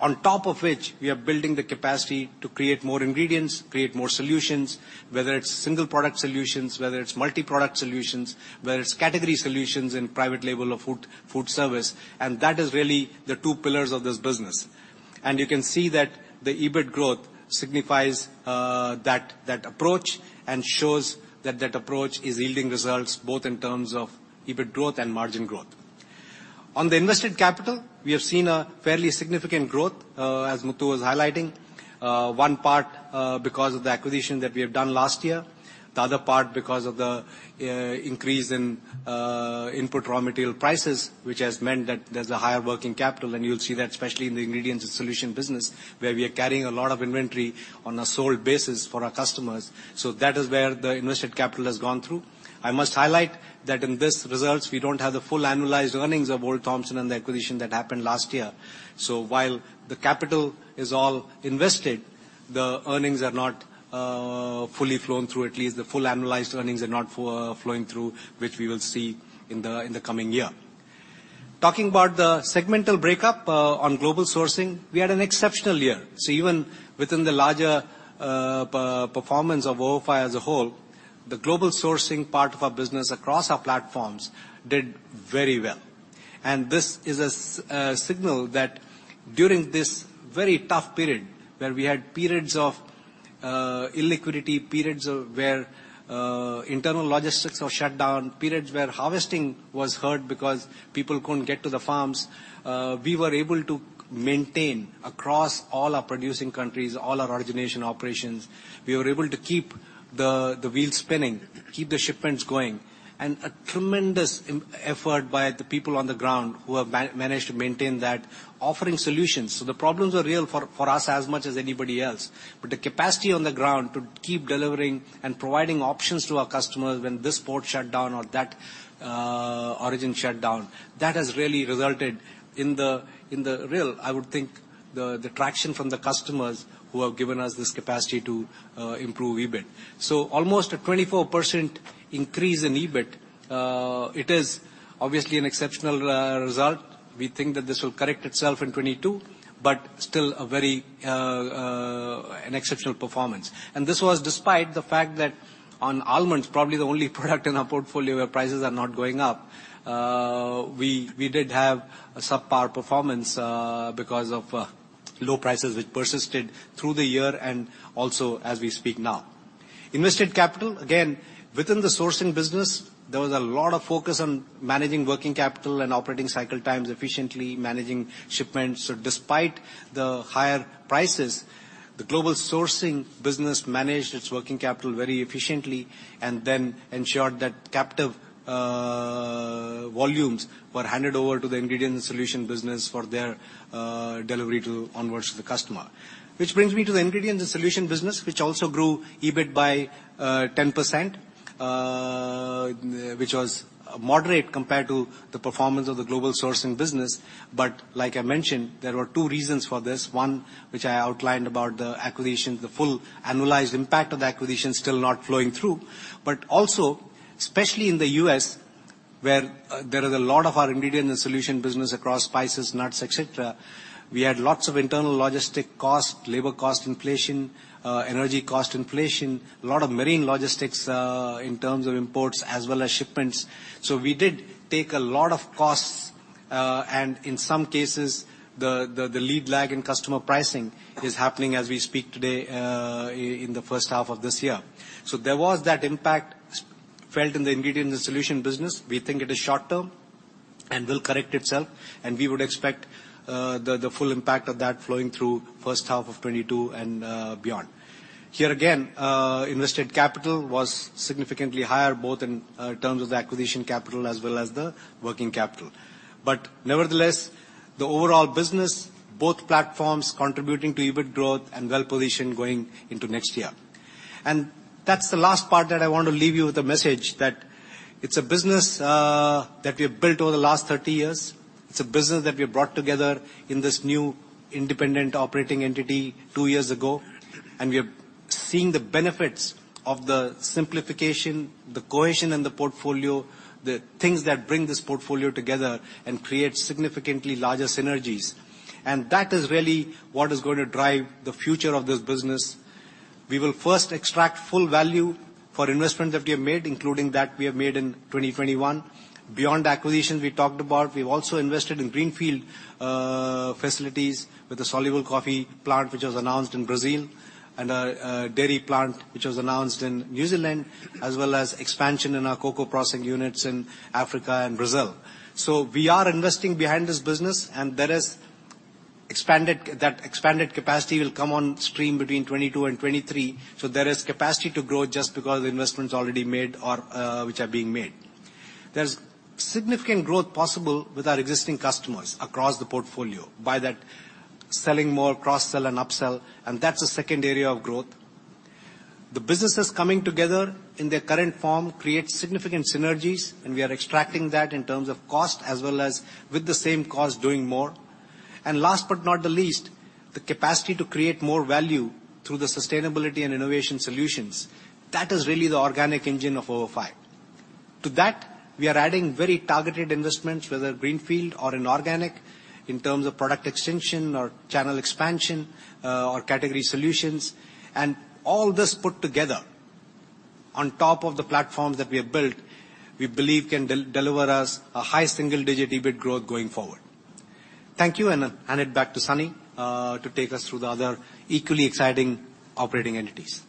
on top of which we are building the capacity to create more ingredients, create more solutions, whether it's single product solutions, whether it's multi-product solutions, whether it's category solutions in private label of food service, and that is really the two pillars of this business. You can see that the EBIT growth signifies that approach and shows that that approach is yielding results both in terms of EBIT growth and margin growth. On the invested capital, we have seen a fairly significant growth, as Muthu was highlighting. One part because of the acquisition that we have done last year, the other part because of the increase in input raw material prices, which has meant that there's a higher working capital, and you'll see that especially in the ingredients and solutions business, where we are carrying a lot of inventory on a sold basis for our customers. That is where the invested capital has gone through. I must highlight that in this results, we don't have the full annualized earnings of Olde Thompson and the acquisition that happened last year. While the capital is all invested, the earnings are not fully flown through, at least the full annualized earnings are not flowing through, which we will see in the coming year. Talking about the segmental breakup on global sourcing, we had an exceptional year. Even within the larger performance of OFI as a whole, the global sourcing part of our business across our platforms did very well. This is a signal that during this very tough period, where we had periods of illiquidity, periods where internal logistics were shut down, periods where harvesting was hurt because people couldn't get to the farms, we were able to maintain across all our producing countries, all our origination operations. We were able to keep the wheels spinning, keep the shipments going. A tremendous effort by the people on the ground who have managed to maintain that, offering solutions. The problems are real for us as much as anybody else. The capacity on the ground to keep delivering and providing options to our customers when this port shut down or that origin shut down, that has really resulted in the real traction from the customers who have given us this capacity to improve EBIT. Almost a 24% increase in EBIT. It is obviously an exceptional result. We think that this will correct itself in 2022, but still a very exceptional performance. This was despite the fact that on almonds, probably the only product in our portfolio where prices are not going up, we did have a subpar performance, because of low prices which persisted through the year and also as we speak now. Invested capital, again, within the sourcing business, there was a lot of focus on managing working capital and operating cycle times efficiently, managing shipments. Despite the higher prices, the global sourcing business managed its working capital very efficiently, and then ensured that captive volumes were handed over to the ingredient and solution business for their delivery onwards to the customer. Which brings me to the ingredient and solution business, which also grew EBIT by 10%, which was moderate compared to the performance of the global sourcing business. Like I mentioned, there were two reasons for this. One, which I outlined about the acquisition, the full annualized impact of the acquisition still not flowing through. Also, especially in the U.S., where there is a lot of our ingredient and solution business across spices, nuts, et cetera, we had lots of internal logistics costs, labor cost inflation, energy cost inflation, a lot of marine logistics in terms of imports as well as shipments. We did take a lot of costs, and in some cases, the lead lag in customer pricing is happening as we speak today in the first half of this year. There was that impact felt in the ingredient and solution business. We think it is short-term and will correct itself, and we would expect the full impact of that flowing through first half of 2022 and beyond. Here again, invested capital was significantly higher, both in terms of the acquisition capital as well as the working capital. Nevertheless, the overall business, both platforms contributing to EBIT growth and well-positioned going into next year. That's the last part that I want to leave you with a message that it's a business that we have built over the last 30 years. It's a business that we have brought together in this new independent operating entity two years ago. We are seeing the benefits of the simplification, the cohesion in the portfolio, the things that bring this portfolio together and create significantly larger synergies. That is really what is going to drive the future of this business. We will first extract full value for investments that we have made, including that we have made in 2021. Beyond acquisitions we talked about, we've also invested in greenfield facilities with the soluble coffee plant, which was announced in Brazil, and a dairy plant which was announced in New Zealand, as well as expansion in our cocoa processing units in Africa and Brazil. We are investing behind this business, and there is expanded capacity that will come on stream between 2022 and 2023, so there is capacity to grow just because investments already made or which are being made. There's significant growth possible with our existing customers across the portfolio by that selling more cross-sell and up-sell, and that's the second area of growth. The businesses coming together in their current form creates significant synergies, and we are extracting that in terms of cost as well as with the same cost doing more. Last but not the least, the capacity to create more value through the sustainability and innovation solutions, that is really the organic engine of OFI. To that, we are adding very targeted investments, whether greenfield or inorganic, in terms of product extension or channel expansion, or category solutions. All this put together on top of the platforms that we have built, we believe can deliver us a high single-digit EBIT growth going forward. Thank you, and I'll hand it back to Sunny, to take us through the other equally exciting operating entities.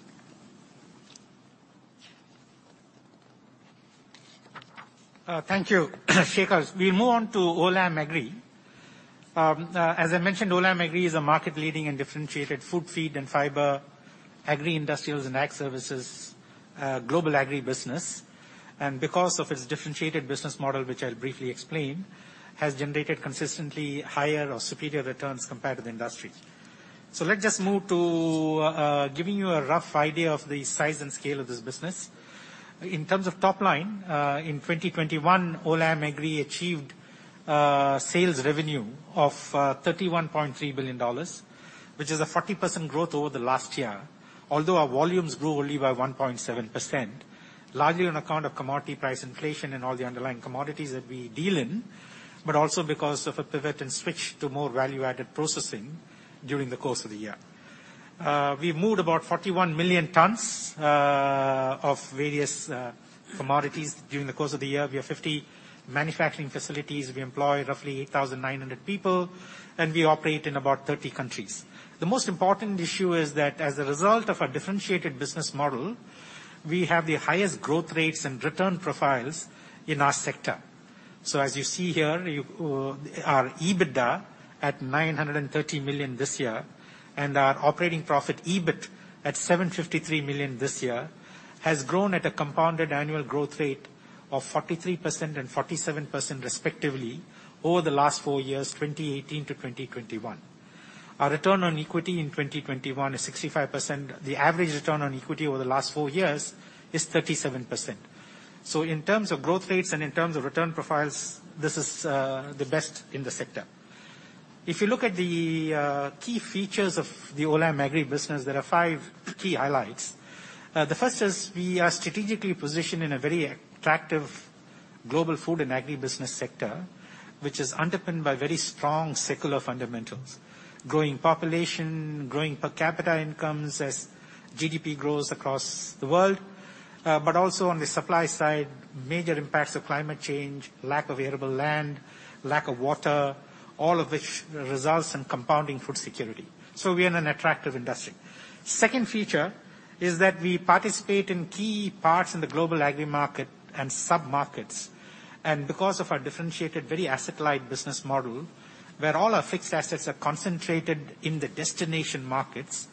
Thank you Shekhar. We move on to Olam Agri. As I mentioned, Olam Agri is a market leading and differentiated food, feed and Fibre, Agri-Industrials and Ag Services, global agri business. Because of its differentiated business model, which I'll briefly explain, has generated consistently higher or superior returns compared to the industry. Let's just move to giving you a rough idea of the size and scale of this business. In terms of top line, in 2021, Olam Agri achieved sales revenue of $31.3 billion, which is a 40% growth over the last year. Although our volumes grew only by 1.7%, largely on account of commodity price inflation and all the underlying commodities that we deal in, but also because of a pivot and switch to more value-added processing during the course of the year. We moved about 41 million tons of various commodities during the course of the year. We have 50 manufacturing facilities. We employ roughly 8,900 people, and we operate in about 30 countries. The most important issue is that as a result of our differentiated business model, we have the highest growth rates and return profiles in our sector. As you see here, you Our EBITDA at 930 million this year and our operating profit EBIT at 753 million this year has grown at a compounded annual growth rate of 43% and 47% respectively over the last four years, 2018 to 2021. Our return on equity in 2021 is 65%. The average return on equity over the last four years is 37%. In terms of growth rates and in terms of return profiles, this is the best in the sector. If you look at the key features of the Olam Agri business, there are five key highlights. The first is we are strategically positioned in a very attractive global food and agribusiness sector, which is underpinned by very strong secular fundamentals. Growing population, growing per capita incomes as GDP grows across the world, but also on the supply side, major impacts of climate change, lack of arable land, lack of water, all of which results in compounding food security. We are in an attractive industry. Second feature is that we participate in key parts in the global agri market and submarkets. Because of our differentiated, very asset-light business model, where all our fixed assets are concentrated in the destination markets,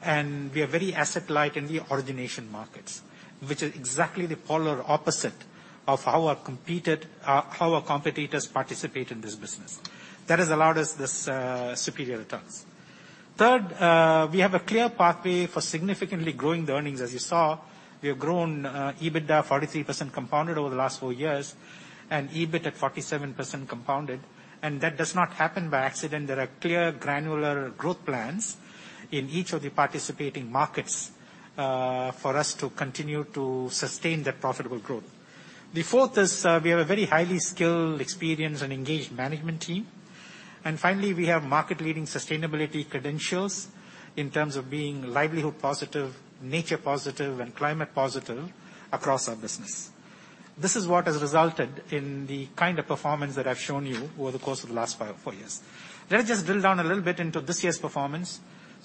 and we are very asset-light in the origination markets. Which is exactly the polar opposite of how our competitors participate in this business. That has allowed us this superior returns. Third, we have a clear pathway for significantly growing the earnings. As you saw, we have grown EBITDA 43% compounded over the last four years and EBIT at 47% compounded. That does not happen by accident. There are clear granular growth plans in each of the participating markets for us to continue to sustain that profitable growth. The fourth is, we have a very highly skilled, experienced and engaged management team. Finally, we have market-leading sustainability credentials in terms of being livelihood positive, nature positive and climate positive across our business. This is what has resulted in the kind of performance that I've shown you over the course of the last four years. Let us just drill down a little bit into this year's performance.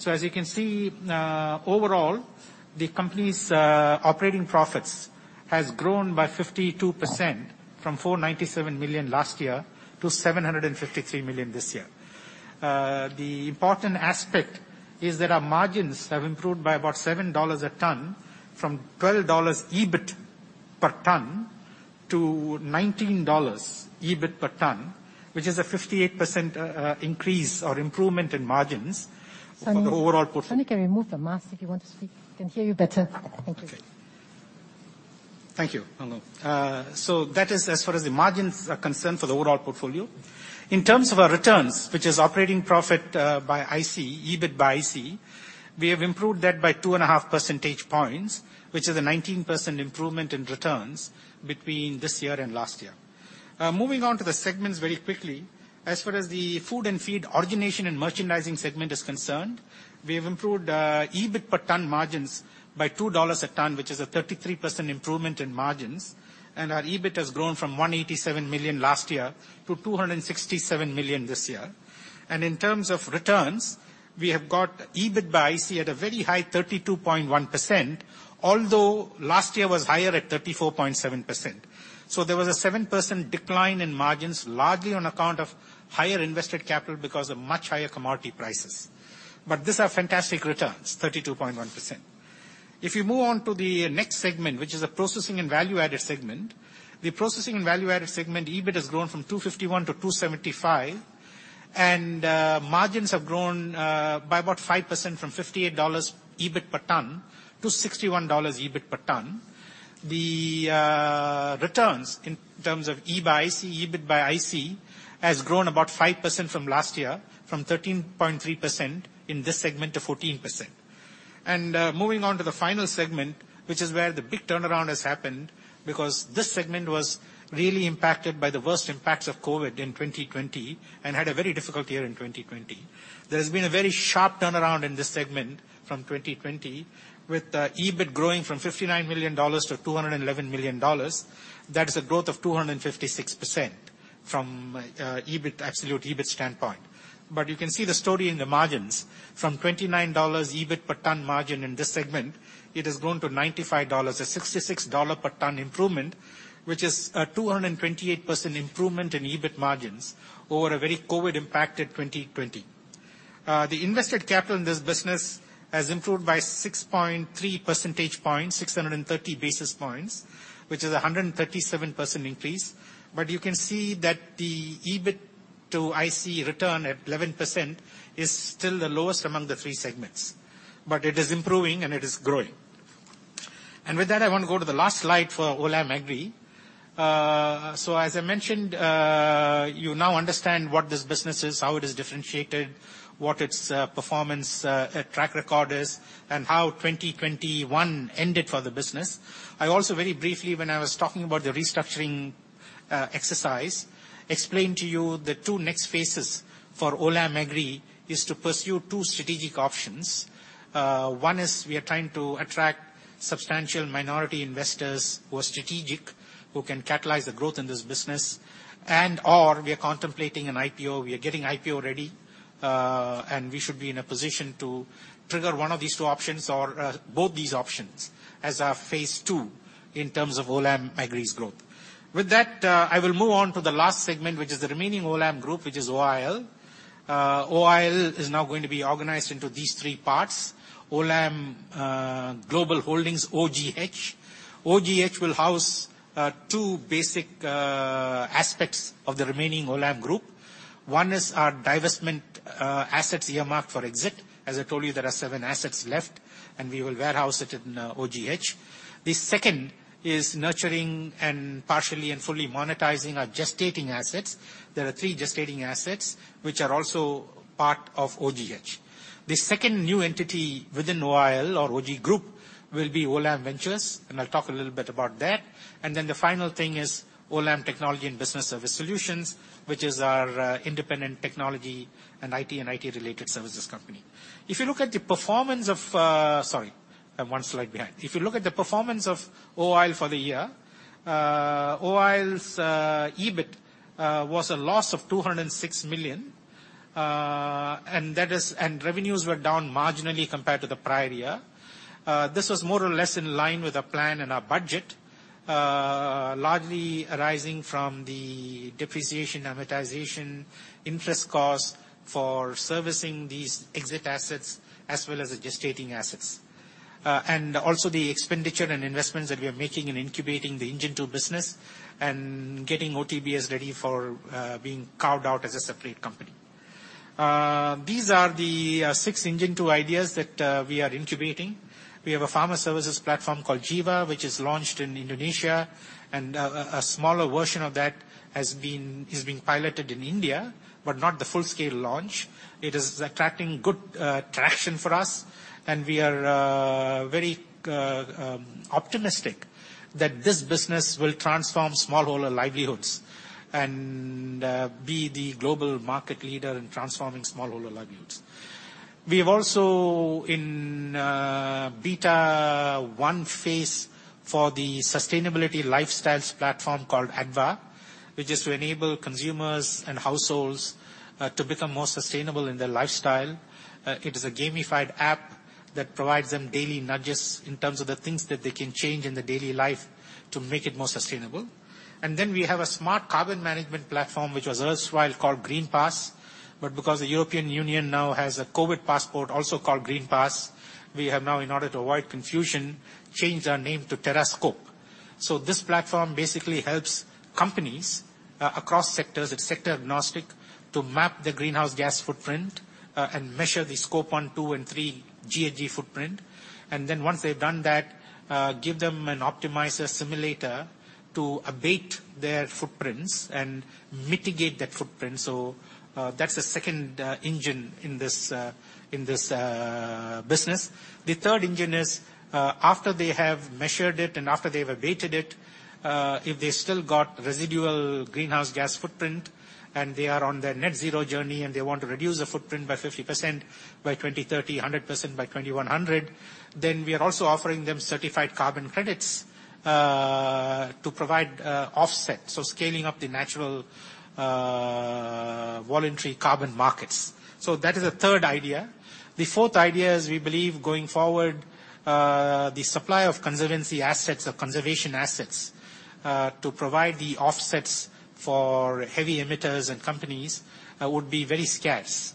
As you can see, overall, the company's operating profits has grown by 52% from 497 million last year to 753 million this year. The important aspect is that our margins have improved by about $7 per ton from $12 EBIT per ton to $19 EBIT per ton, which is a 58% increase or improvement in margins. Sunny. From the overall portf- Sunny can remove the mask if you want to speak. We can hear you better. Thank you. Okay. Thank you. Hello, that is as far as the margins are concerned for the overall portfolio. In terms of our returns, which is operating profit by IC, EBIT by IC, we have improved that by 2.5 percentage points, which is a 19% improvement in returns between this year and last year. Moving on to the segments very quickly. As far as the food and feed origination and merchandising segment is concerned, we have improved EBIT per ton margins by $2 a ton, which is a 33% improvement in margins. Our EBIT has grown from 187 million last year to 267 million this year. In terms of returns, we have got EBIT by IC at a very high 32.1%, although last year was higher at 34.7%. There was a 7% decline in margins, largely on account of higher invested capital because of much higher commodity prices. These are fantastic returns, 32.1%. If you move on to the next segment, which is a processing and value-added segment. The processing and value-added segment, EBIT has grown from $251 to $275, and margins have grown by about 5% from $58 EBIT per ton to $61 EBIT per ton. The returns in terms of EBIT/IC has grown about 5% from last year, from 13.3% in this segment to 14%. Moving on to the final segment, which is where the big turnaround has happened because this segment was really impacted by the worst impacts of COVID in 2020 and had a very difficult year in 2020. There has been a very sharp turnaround in this segment from 2020, with EBIT growing from $59 million to $211 million. That is a growth of 256% from EBIT, absolute EBIT standpoint. But you can see the story in the margins from $29 EBIT per ton margin in this segment, it has grown to $95, a $66 per ton improvement, which is a 228% improvement in EBIT margins over a very COVID impacted 2020. The invested capital in this business has improved by 6.3 percentage points, 630 basis points, which is a 137% increase. You can see that the EBIT/IC return at 11% is still the lowest among the three segments. It is improving and it is growing. With that, I want to go to the last slide for Olam Agri. So as I mentioned, you now understand what this business is, how it is differentiated, what its performance track record is, and how 2021 ended for the business. I also very briefly when I was talking about the restructuring exercise, explained to you the two next phases for Olam Agri is to pursue two strategic options. One is we are trying to attract substantial minority investors who are strategic, who can catalyze the growth in this business, and/or we are contemplating an IPO. We are getting IPO-ready. We should be in a position to trigger one of these two options or, both these options as our phase two in terms of Olam Agri's growth. With that, I will move on to the last segment, which is the remaining Olam group, which is OIL. OIL is now going to be organized into these three parts, Olam Global Holdco, OGH. OGH will house, two basic aspects of the remaining Olam group. One is our divestment assets earmarked for exit. As I told you, there are seven assets left, and we will warehouse it in OGH. The second is nurturing and partially and fully monetizing our gestating assets. There are three gestating assets which are also part of OGH. The second new entity within OIL or Olam Group will be Olam Ventures, and I'll talk a little bit about that. The final thing is Olam Technology and Business Services, which is our independent technology and IT and IT-related services company. If you look at the performance of OIL for the year, OIL's EBIT was a loss of 206 million, and revenues were down marginally compared to the prior year. This was more or less in line with our plan and our budget, largely arising from the depreciation, amortization, interest costs for servicing these exit assets as well as the gestating assets. Also the expenditure and investments that we are making in incubating the Engine 2 business and getting OTBS ready for being carved out as a separate company. These are the six Engine 2 ideas that we are incubating. We have a farmer services platform called Jiva, which is launched in Indonesia, and a smaller version of that is being piloted in India, but not the full-scale launch. It is attracting good traction for us and we are very optimistic that this business will transform smallholder livelihoods and be the global market leader in transforming smallholder livelihoods. We have also in beta one phase for the sustainability lifestyles platform called Adva, which is to enable consumers and households to become more sustainable in their lifestyle. It is a gamified app that provides them daily nudges in terms of the things that they can change in their daily life to make it more sustainable. We have a smart carbon management platform, which was erstwhile called GreenPass, but because the European Union now has a COVID passport also called GreenPass, we have now, in order to avoid confusion, changed our name to Terrascope. This platform basically helps companies across sectors, it's sector-agnostic, to map their greenhouse gas footprint, and measure the Scope one, two, and three GHG footprint. Once they've done that, give them an optimizer simulator to abate their footprints and mitigate that footprint. That's the second engine in this business. The third engine is, after they have measured it and after they've abated it, if they still got residual greenhouse gas footprint and they are on their net zero journey, and they want to reduce the footprint by 50% by 2030, 100% by 2100, then we are also offering them certified carbon credits, to provide offset, so scaling up the natural, voluntary carbon markets. That is the third idea. The fourth idea is we believe going forward, the supply of conservancy assets or conservation assets, to provide the offsets for heavy emitters and companies, would be very scarce.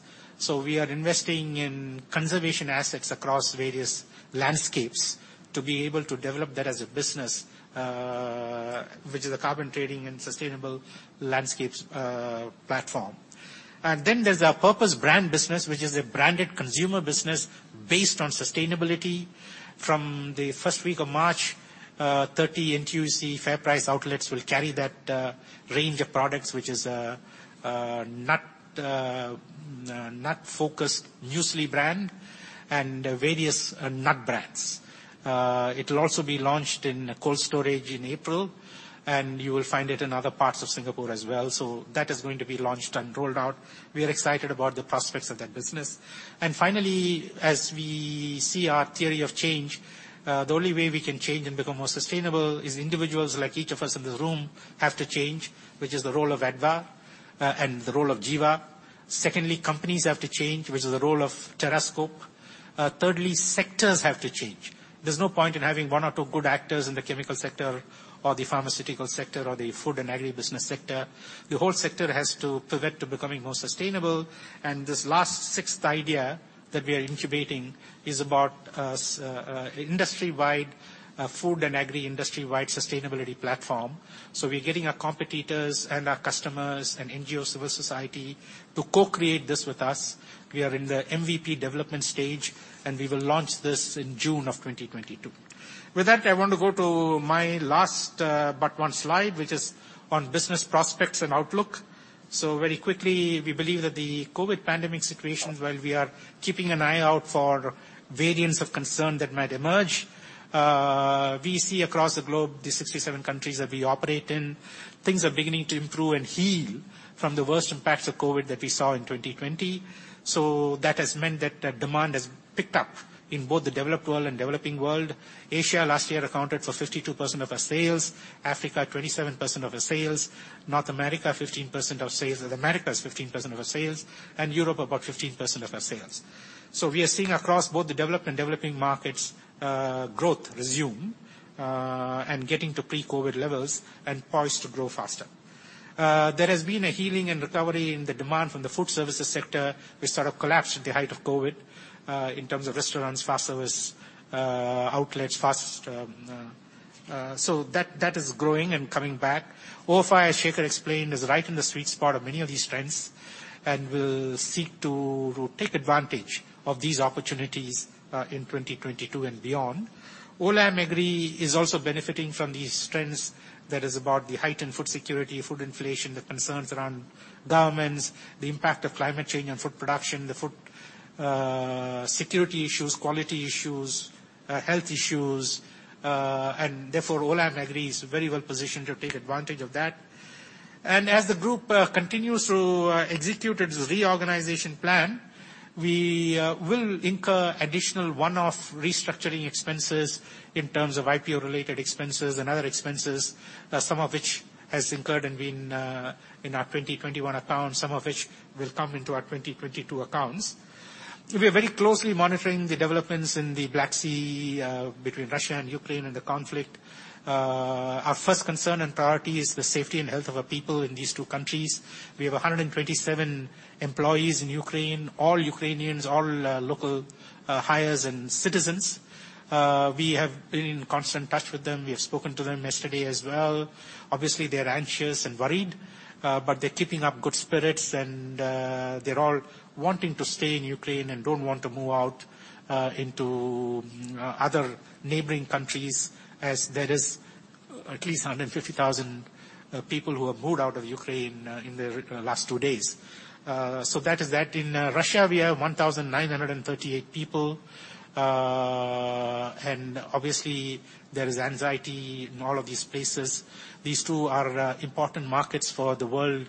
We are investing in conservation assets across various landscapes to be able to develop that as a business, which is a carbon trading and sustainable landscapes platform. Then there's our Purpose Brand business, which is a branded consumer business based on sustainability. From the first week of March, 30 NTUC FairPrice outlets will carry that range of products, which is a nut-focused muesli brand and various nut brands. It'll also be launched in Cold Storage in April, and you will find it in other parts of Singapore as well. That is going to be launched and rolled out. We are excited about the prospects of that business. Finally, as we see our theory of change, the only way we can change and become more sustainable is individuals like each of us in this room have to change, which is the role of Adva and the role of Jiva. Secondly, companies have to change, which is the role of Terrascope. Thirdly, sectors have to change. There's no point in having one or two good actors in the chemical sector or the pharmaceutical sector or the food and agribusiness sector. The whole sector has to pivot to becoming more sustainable. This last sixth idea that we are incubating is about industry-wide food and agri-industry-wide sustainability platform. We're getting our competitors and our customers and NGO civil society to co-create this with us. We are in the MVP development stage, and we will launch this in June 2022. With that, I want to go to my last, but one slide, which is on business prospects and outlook. Very quickly, we believe that the COVID pandemic situation, while we are keeping an eye out for variants of concern that might emerge, we see across the globe, the 67 countries that we operate in, things are beginning to improve and heal from the worst impacts of COVID that we saw in 2020. That has meant that demand has picked up in both the developed world and developing world. Asia last year accounted for 52% of our sales. Africa, 27% of our sales. North America, 15% of sales. Americas, 15% of our sales. Europe, about 15% of our sales. We are seeing across both the developed and developing markets, growth resume, and getting to pre-COVID levels and poised to grow faster. There has been a healing and recovery in the demand from the food services sector which sort of collapsed at the height of COVID, in terms of restaurants, fast service outlets. That is growing and coming back. OFI, as Shekhar explained, is right in the sweet spot of many of these trends and will seek to take advantage of these opportunities, in 2022 and beyond. Olam Agri is also benefiting from these trends that is about the heightened food security, food inflation, the concerns around governments, the impact of climate change and food production, the food security issues, quality issues, health issues. Olam Agri is very well positioned to take advantage of that. As the group continues to execute its reorganization plan, we will incur additional one-off restructuring expenses in terms of IPO-related expenses and other expenses, some of which has incurred and been in our 2021 account, some of which will come into our 2022 accounts. We are very closely monitoring the developments in the Black Sea between Russia and Ukraine and the conflict. Our first concern and priority is the safety and health of our people in these two countries. We have 127 employees in Ukraine, all Ukrainians, all local hires and citizens. We have been in constant touch with them. We have spoken to them yesterday as well. Obviously, they're anxious and worried, but they're keeping up good spirits and they're all wanting to stay in Ukraine and don't want to move out into other neighboring countries, as there is at least 150,000 people who have moved out of Ukraine in the last two days. That is that. In Russia, we have 1,938 people. Obviously, there is anxiety in all of these places. These two are important markets for the world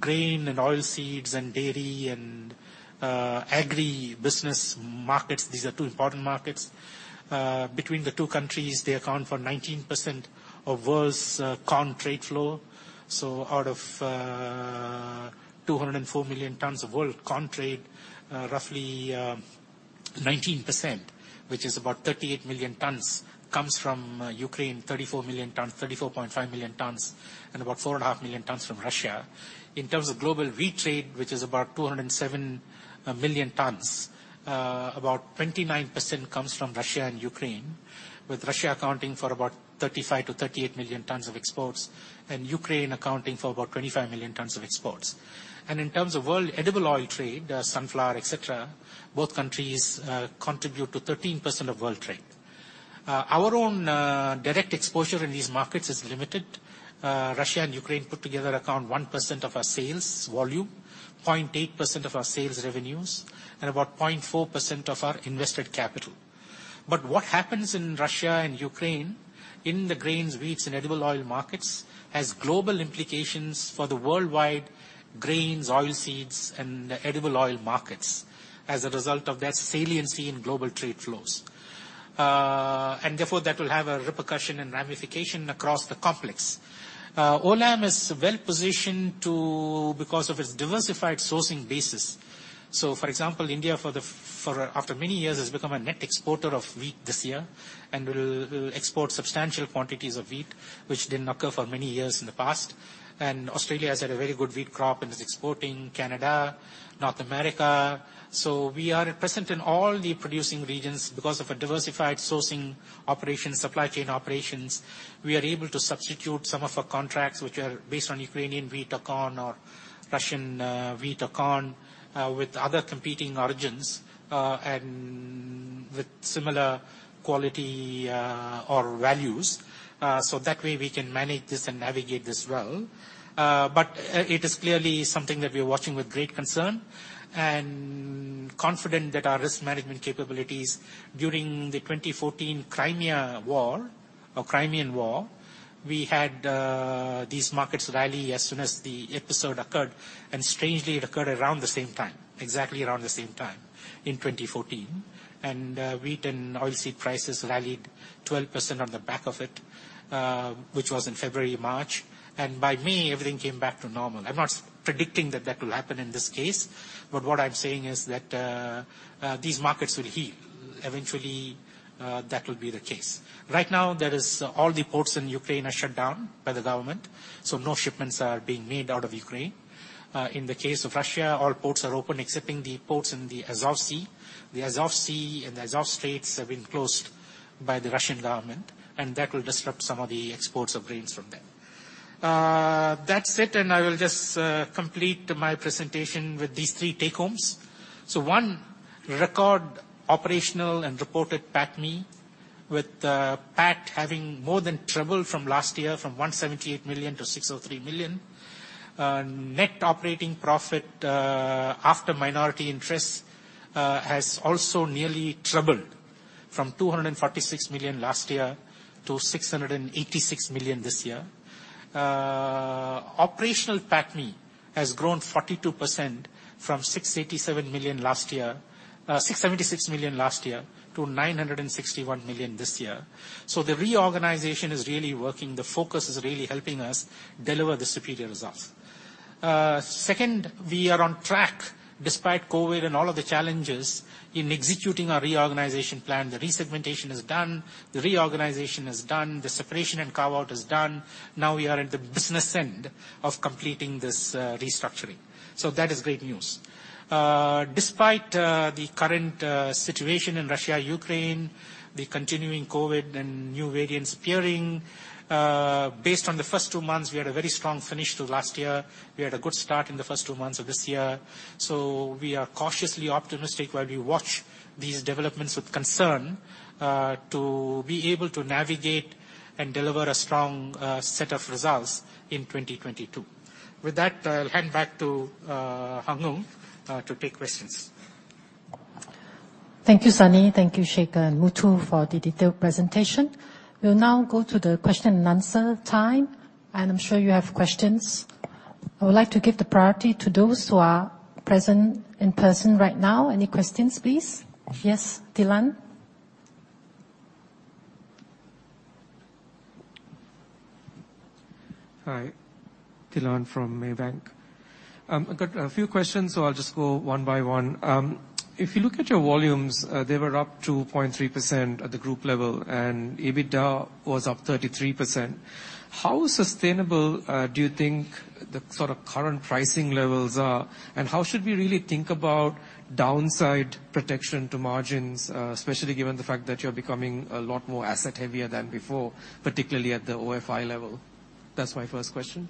grain and oilseeds and dairy and agri business markets. These are two important markets. Between the two countries, they account for 19% of world's corn trade flow. Out of 204 million tons of world corn trade, roughly 19%, which is about 38 million tons, comes from Ukraine, 34.5 million tons, and about 4.5 million tons from Russia. In terms of global wheat trade, which is about 207 million tons, about 29% comes from Russia and Ukraine, with Russia accounting for about 35 million tons to 38 million tons of exports and Ukraine accounting for about 25 million tons of exports. In terms of world edible oil trade, sunflower, et cetera, both countries contribute to 13% of world trade. Our own direct exposure in these markets is limited. Russia and Ukraine put together account 1% of our sales volume, 0.8% of our sales revenues, and about 0.4% of our invested capital. What happens in Russia and Ukraine in the grains, wheats, and edible oil markets has global implications for the worldwide grains, oilseeds, and edible oil markets as a result of their saliency in global trade flows. Therefore, that will have a repercussion and ramification across the complex. Olam is well-positioned because of its diversified sourcing basis. For example, India, after many years has become a net exporter of wheat this year and will export substantial quantities of wheat, which didn't occur for many years in the past. Australia has had a very good wheat crop and is exporting. Canada, North America. We are present in all the producing regions because of a diversified sourcing operation, supply chain operations. We are able to substitute some of our contracts which are based on Ukrainian wheat or corn or Russian wheat or corn with other competing origins and with similar quality or values. That way we can manage this and navigate this well. It is clearly something that we're watching with great concern and confident that our risk management capabilities during the 2014 Crimean War, we had these markets rally as soon as the episode occurred. Strangely, it occurred around the same time, exactly around the same time in 2014. Wheat and oilseed prices rallied 12% on the back of it, which was in February, March. By May, everything came back to normal. I'm not predicting that will happen in this case. But what I'm saying is that these markets will heal. Eventually, that will be the case. Right now, there is all the ports in Ukraine are shut down by the government, so no shipments are being made out of Ukraine. In the case of Russia, all ports are open except the ports in the Azov Sea. The Azov Sea and the Azov Straits have been closed by the Russian government, and that will disrupt some of the exports of grains from there. That's it, and I will just complete my presentation with these three take-homes. One, record operational and reported PATMI with PAT having more than tripled from last year, from 178 million to 603 million. Net operating profit after minority interest has also nearly tripled from 246 million last year to 686 million this year. Operational PATMI has grown 42% from 676 million last year to 961 million this year. The reorganization is really working. The focus is really helping us deliver the superior results. Second, we are on track despite COVID and all of the challenges in executing our reorganization plan. The resegmentation is done. The reorganization is done. The separation and carve-out is done. Now we are at the business end of completing this restructuring. That is great news. Despite the current situation in Russia, Ukraine, the continuing COVID and new variants appearing, based on the first two months, we had a very strong finish to last year. We had a good start in the first two months of this year, so we are cautiously optimistic while we watch these developments with concern to be able to navigate and deliver a strong set of results in 2022. With that, I'll hand back to Hung Hoeng to take questions. Thank you, Sunny. Thank you, Shekhar and Muthukumar for the detailed presentation. We'll now go to the question and answer time, and I'm sure you have questions. I would like to give the priority to those who are present in person right now. Any questions please? Yes, Thilan. Hi. Thilan from Maybank. I've got a few questions, so I'll just go one by one. If you look at your volumes, they were up 2.3% at the group level and EBITDA was up 33%. How sustainable do you think the sort of current pricing levels are, and how should we really think about downside protection to margins, especially given the fact that you're becoming a lot more asset heavier than before, particularly at the OFI level? That's my first question.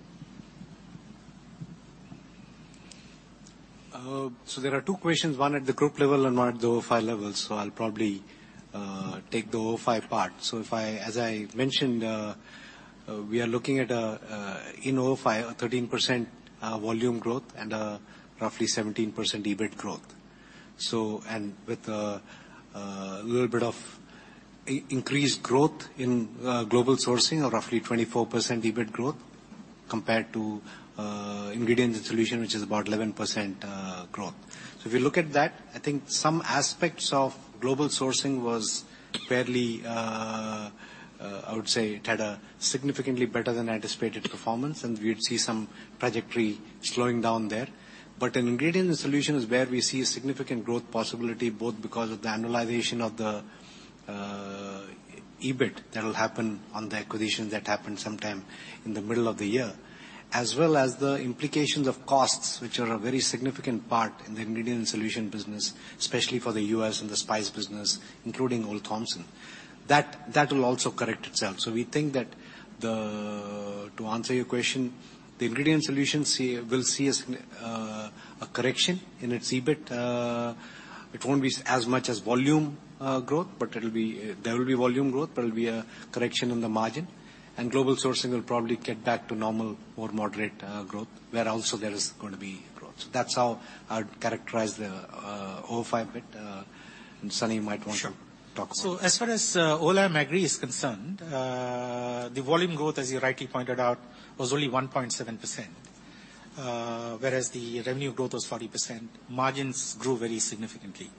There are two questions, one at the group level and one at the OFI level. I'll probably take the OFI part. As I mentioned, we are looking at in OFI a 13% volume growth and a roughly 17% EBIT growth. With a little bit of increased growth in global sourcing of roughly 24% EBIT growth compared to ingredients and solution, which is about 11% growth. If you look at that, I think some aspects of global sourcing was fairly, I would say it had a significantly better than anticipated performance, and we would see some trajectory slowing down there. In ingredient and solution is where we see significant growth possibility both because of the annualization of the EBIT that will happen on the acquisition that happened sometime in the middle of the year. As well as the implications of costs, which are a very significant part in the ingredient and solution business, especially for the U.S. and the spice business, including Olde Thompson. That will also correct itself. We think to answer your question, the ingredient solutions will see a correction in its EBIT. It won't be as much as volume growth, but there will be volume growth, but it'll be a correction on the margin. Global sourcing will probably get back to normal or moderate growth, where also there is going to be growth. That's how I would characterize the OFI bit. Sunny might want to talk about it. As far as Olam Agri is concerned, the volume growth, as you rightly pointed out, was only 1.7%, whereas the revenue growth was 40%. Margins grew very significantly.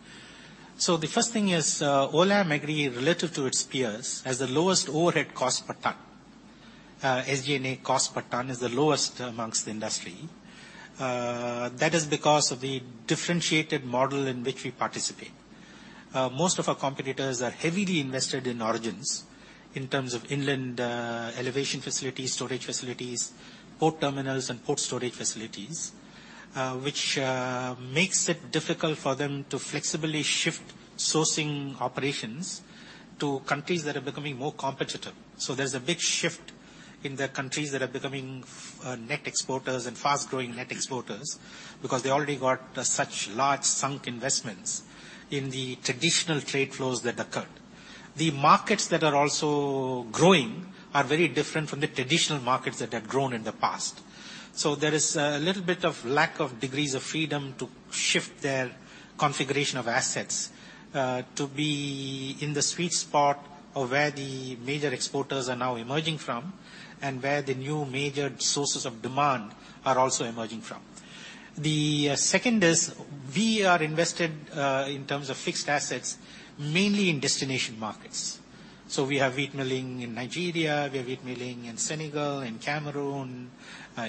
The first thing is, Olam Agri, relative to its peers, has the lowest overhead cost per ton. SG&A cost per ton is the lowest among the industry. That is because of the differentiated model in which we participate. Most of our competitors are heavily invested in origins in terms of inland elevator facilities, storage facilities, port terminals, and port storage facilities, which makes it difficult for them to flexibly shift sourcing operations to countries that are becoming more competitive. There's a big shift in the countries that are becoming net exporters and fast-growing net exporters because they already got such large sunk investments in the traditional trade flows that occurred. The markets that are also growing are very different from the traditional markets that have grown in the past. There is a little bit of lack of degrees of freedom to shift their configuration of assets to be in the sweet spot of where the major exporters are now emerging from and where the new major sources of demand are also emerging from. The second is we are invested in terms of fixed assets, mainly in destination markets. We have wheat milling in Nigeria, we have wheat milling in Senegal, in Cameroon,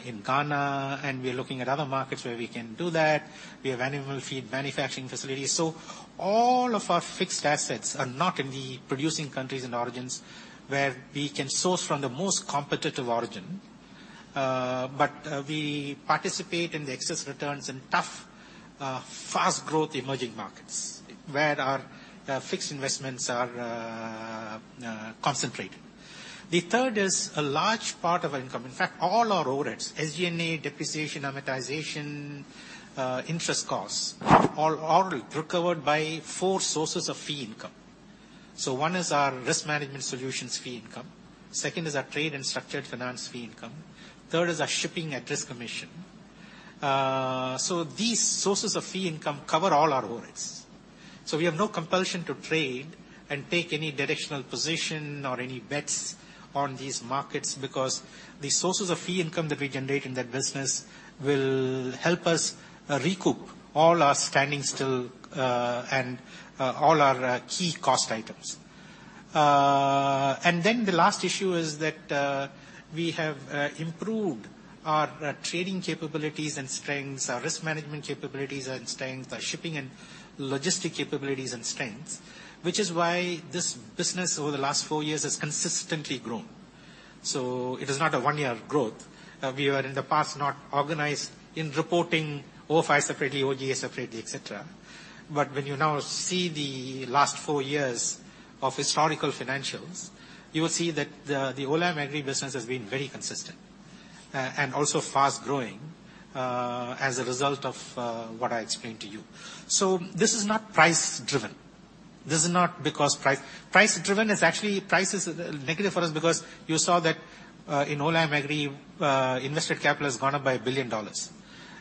in Ghana, and we're looking at other markets where we can do that. We have animal feed manufacturing facilities. All of our fixed assets are not in the producing countries and origins, where we can source from the most competitive origin. We participate in the excess returns in tough, fast growth emerging markets where our fixed investments are concentrated. The third is a large part of our income. In fact, all our overheads, SG&A, depreciation, amortization, interest costs are recovered by four sources of fee income. One is our risk management solutions fee income. Second is our trade and structured finance fee income. Third is our shipping at risk commission. These sources of fee income cover all our overheads. We have no compulsion to trade and take any directional position or any bets on these markets, because the sources of fee income that we generate in that business will help us recoup all our standing still, and all our key cost items. The last issue is that we have improved our trading capabilities and strengths, our risk management capabilities and strengths, our shipping and logistics capabilities and strengths, which is why this business over the last four years has consistently grown. It is not a one-year growth. We were in the past not organized in reporting OFI separately, OGA separately, etc. When you now see the last four years of historical financials, you will see that the Olam Agri business has been very consistent and also fast-growing as a result of what I explained to you. This is not price-driven. Price-driven is actually price is negative for us because you saw that in Olam Agri invested capital has gone up by $1 billion.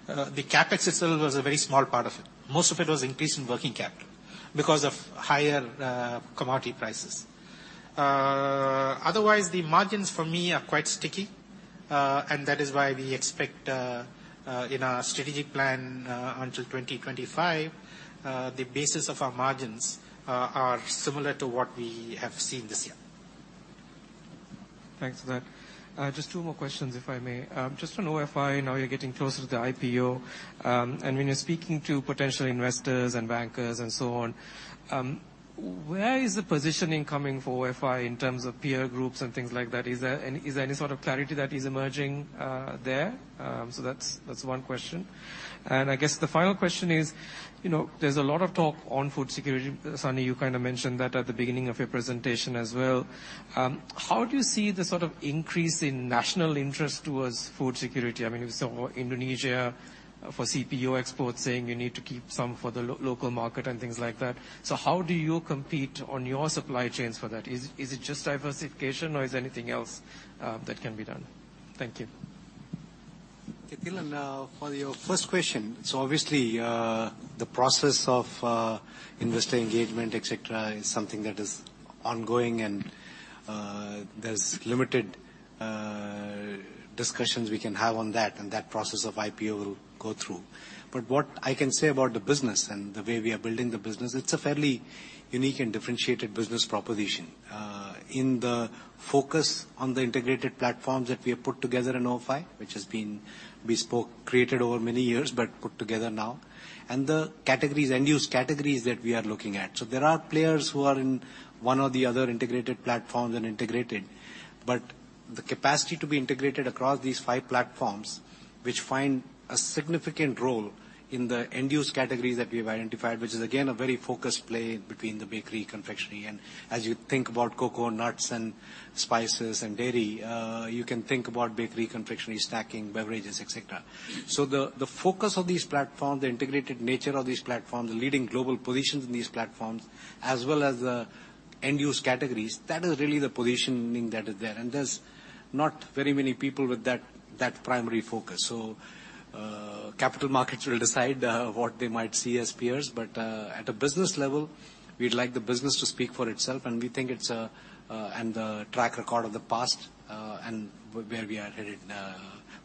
The CapEx itself was a very small part of it. Most of it was increase in working capital because of higher commodity prices. Otherwise, the margins for me are quite sticky and that is why we expect in our strategic plan until 2025 the basis of our margins are similar to what we have seen this year. Thanks for that. Just two more questions, if I may. Just on OFI, now you're getting closer to the IPO, and when you're speaking to potential investors and bankers and so on, where is the positioning coming for OFI in terms of peer groups and things like that? Is there any sort of clarity that is emerging there? So that's one question. And I guess the final question is, you know, there's a lot of talk on food security. Sunny, you kinda mentioned that at the beginning of your presentation as well. How do you see the sort of increase in national interest towards food security? I mean, we saw Indonesia for CPO exports saying you need to keep some for the local market and things like that. So how do you compete on your supply chains for that? Is it just diversification or is there anything else that can be done? Thank you. Thilan, for your first question, obviously, the process of investor engagement, et cetera, is something that is ongoing and there's limited discussions we can have on that, and that process of IPO will go through. What I can say about the business and the way we are building the business, it's a fairly unique and differentiated business proposition in the focus on the integrated platforms that we have put together in OFI, which has been bespoke created over many years, but put together now, and the categories, end use categories that we are looking at. There are players who are in one or the other integrated platforms and integrated, but the capacity to be integrated across these five platforms, which find a significant role in the end use categories that we have identified, which is again a very focused play between the bakery, confectionery. As you think about cocoa and nuts and spices and dairy, you can think about bakery, confectionery, snacking, beverages, etc. The focus of these platforms, the integrated nature of these platforms, the leading global positions in these platforms, as well as the end use categories, that is really the positioning that is there. There's not very many people with that primary focus. Capital markets will decide what they might see as peers. At a business level, we'd like the business to speak for itself, and we think it's and the track record of the past and where we are headed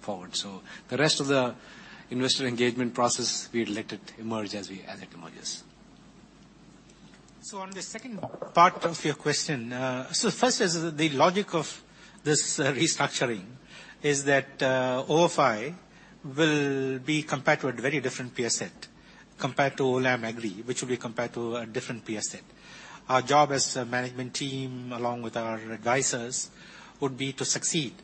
forward. The rest of the investor engagement process, we'll let it emerge as it emerges. On the second part of your question, so first is the logic of this restructuring is that OFI will be compared to a very different peer set compared to Olam Agri, which will be compared to a different peer set. Our job as a management team, along with our advisors, would be to succeed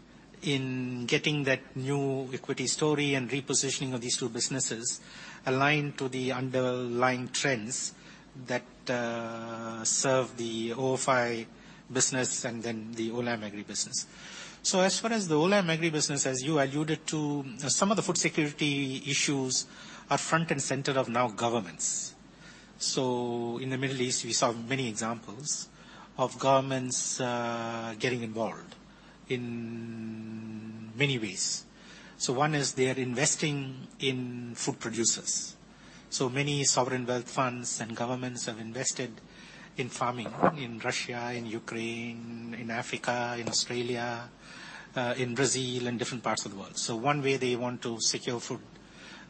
in getting that new equity story and repositioning of these two businesses aligned to the underlying trends that serve the OFI business and then the Olam Agri business. As far as the Olam Agri business, as you alluded to, some of the food security issues are front and center now for governments. In the Middle East, we saw many examples of governments getting involved in many ways. One is they are investing in food producers. Many sovereign wealth funds and governments have invested in farming in Russia, in Ukraine, in Africa, in Australia, in Brazil, and different parts of the world. One way they want to secure food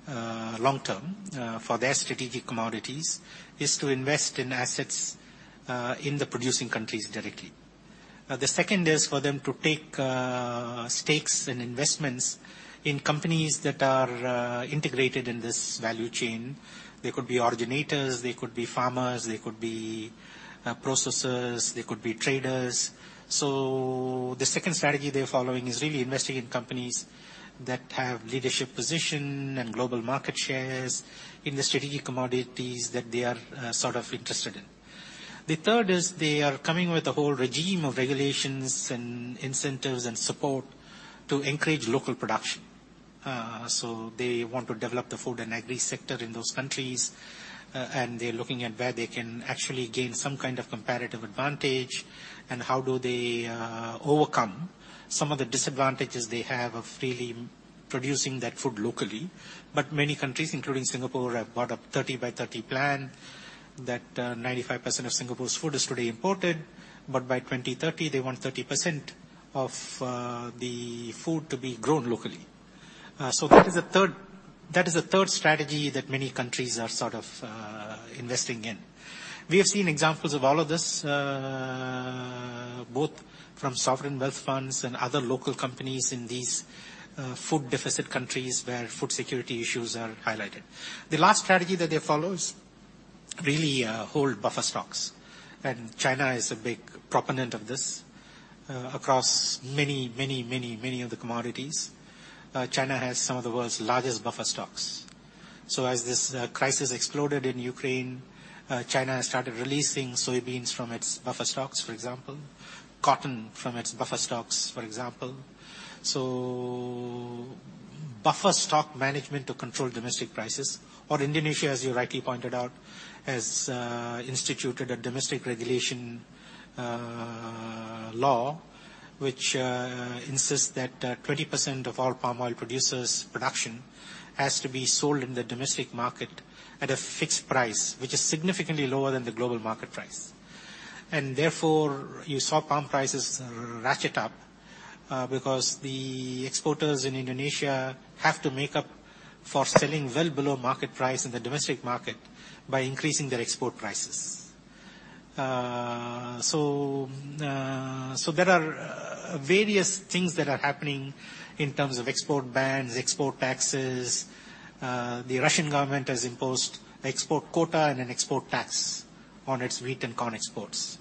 long term for their strategic commodities is to invest in assets in the producing countries directly. The second is for them to take stakes and investments in companies that are integrated in this value chain. They could be originators, they could be farmers, they could be processors, they could be traders. The second strategy they're following is really investing in companies that have leadership position and global market shares in the strategic commodities that they are, sort of interested in. The third is they are coming with a whole regime of regulations and incentives and support to encourage local production. They want to develop the food and agri sector in those countries, and they're looking at where they can actually gain some kind of competitive advantage and how do they, overcome some of the disadvantages they have of really producing that food locally. Many countries, including Singapore, have brought up 30 by 30 plan that 95% of Singapore's food is today imported, but by 2030 they want 30% of the food to be grown locally. That is the third strategy that many countries are sort of investing in. We have seen examples of all of this, both from sovereign wealth funds and other local companies in these food deficit countries where food security issues are highlighted. The last strategy that they follow is really hold buffer stocks, and China is a big proponent of this. Across many of the commodities, China has some of the world's largest buffer stocks. As this crisis exploded in Ukraine, China has started releasing soybeans from its buffer stocks, for example, cotton from its buffer stocks, for example. Buffer stock management to control domestic prices. Indonesia, as you rightly pointed out, has instituted a domestic regulation law which insists that 20% of all palm oil producers' production has to be sold in the domestic market at a fixed price, which is significantly lower than the global market price. Therefore, you saw palm prices ratchet up because the exporters in Indonesia have to make up for selling well below market price in the domestic market by increasing their export prices. There are various things that are happening in terms of export bans, export taxes. The Russian government has imposed export quota and an export tax on its wheat and corn exports,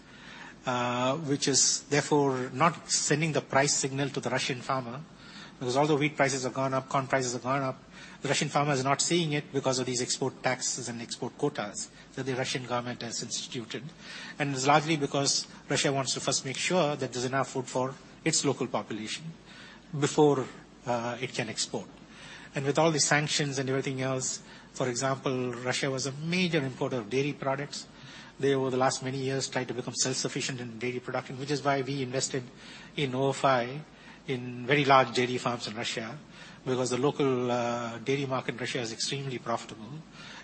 which is therefore not sending the price signal to the Russian farmer. Because although wheat prices have gone up, corn prices have gone up, the Russian farmer is not seeing it because of these export taxes and export quotas that the Russian government has instituted. It's largely because Russia wants to first make sure that there's enough food for its local population before it can export. With all the sanctions and everything else. For example, Russia was a major importer of dairy products. They, over the last many years tried to become self-sufficient in dairy production, which is why we invested in OFI, in very large dairy farms in Russia, because the local dairy market in Russia is extremely profitable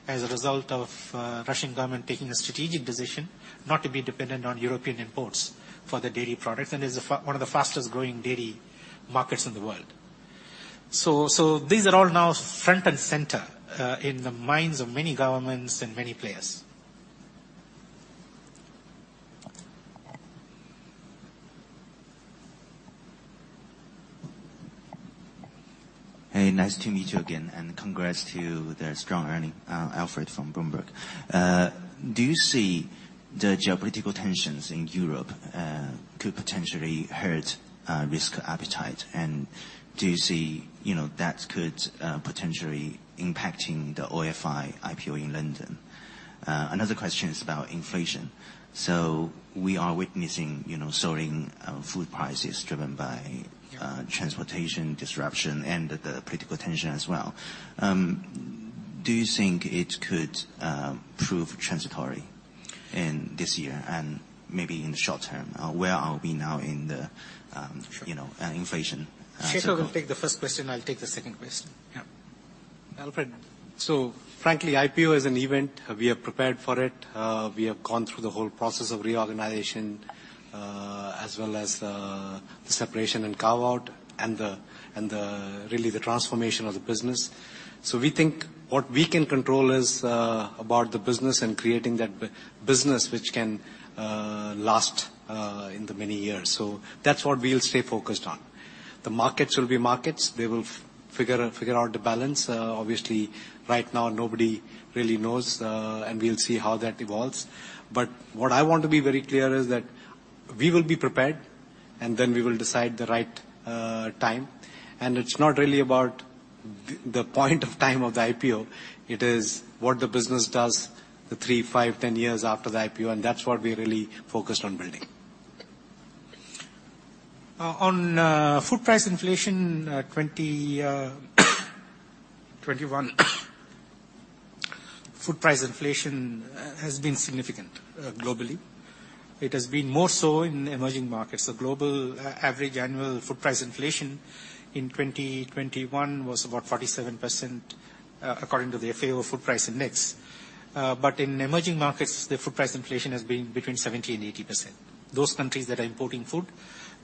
as a result of Russian government taking a strategic decision not to be dependent on European imports for the dairy products, and is one of the fastest growing dairy markets in the world. These are all now front and center, in the minds of many governments and many players. Hey, nice to meet you again, and congrats to the strong earning. Alfred from Bloomberg. Do you see the geopolitical tensions in Europe could potentially hurt risk appetite? Do you see that could potentially impacting the OFI IPO in London? Another question is about inflation. We are witnessing soaring food prices driven by transportation disruption and the political tension as well. Do you think it could prove transitory in this year and maybe in the short term? Where are we now in the inflation cycle? Shekhar will take the first question. I'll take the second question. Yeah. Alfred, frankly, IPO is an event. We are prepared for it. We have gone through the whole process of reorganization, as well as the separation and carve-out and really the transformation of the business. We think what we can control is about the business and creating that business which can last in the many years. That's what we'll stay focused on. The markets will be markets. They will figure out the balance. Obviously right now nobody really knows, and we'll see how that evolves. What I want to be very clear is that we will be prepared and then we will decide the right time. It's not really about the point in time of the IPO. It is what the business does in the three, five, 10 years after the IPO, and that's what we're really focused on building. On 2021 food price inflation has been significant globally. It has been more so in emerging markets. The global average annual food price inflation in 2021 was about 47%, according to the FAO Food Price Index. In emerging markets, the food price inflation has been between 70% and 80%. Those countries that are importing food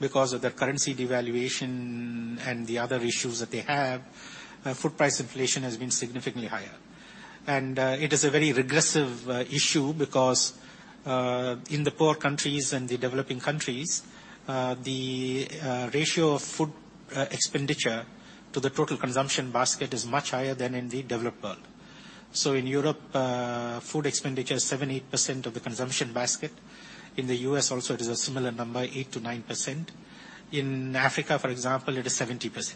because of their currency devaluation and the other issues that they have, food price inflation has been significantly higher. It is a very regressive issue because in the poor countries and the developing countries, the ratio of food expenditure to the total consumption basket is much higher than in the developed world. In Europe, food expenditure is 70% of the consumption basket. In the U.S. also it is a similar number, 8%-9%. In Africa, for example, it is 70%.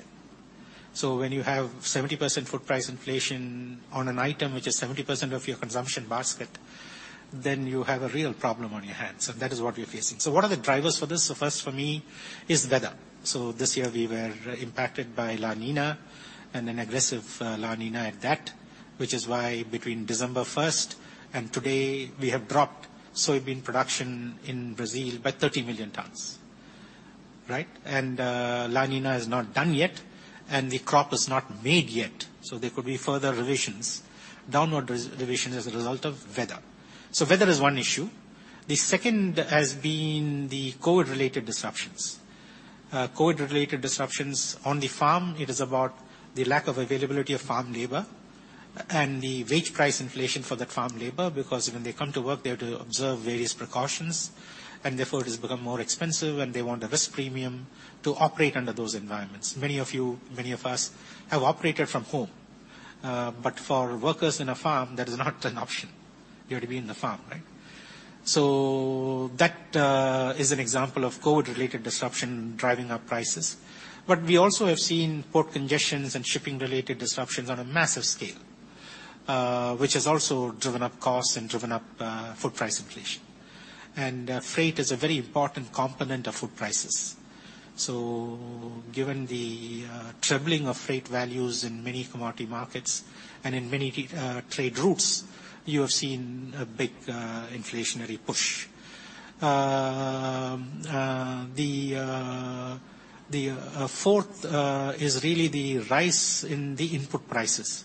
When you have 70% food price inflation on an item which is 70% of your consumption basket, then you have a real problem on your hands, and that is what we're facing. What are the drivers for this? First for me is weather. This year we were impacted by La Niña, and an aggressive La Niña at that, which is why between December 1 and today, we have dropped soybean production in Brazil by 30 million tons, right? La Niña is not done yet, and the crop is not made yet, so there could be further revisions, downward revision as a result of weather. Weather is one issue. The second has been the COVID-related disruptions. COVID-related disruptions on the farm, it is about the lack of availability of farm labor and the wage price inflation for that farm labor, because when they come to work, they have to observe various precautions, and therefore it has become more expensive and they want a risk premium to operate under those environments. Many of you, many of us have operated from home. For workers in a farm, that is not an option. You have to be in the farm, right? That is an example of COVID-related disruption driving up prices. We also have seen port congestions and shipping-related disruptions on a massive scale, which has also driven up costs and driven up food price inflation. Freight is a very important component of food prices. Given the trebling of freight values in many commodity markets and in many trade routes, you have seen a big inflationary push. The fourth is really the rise in the input prices.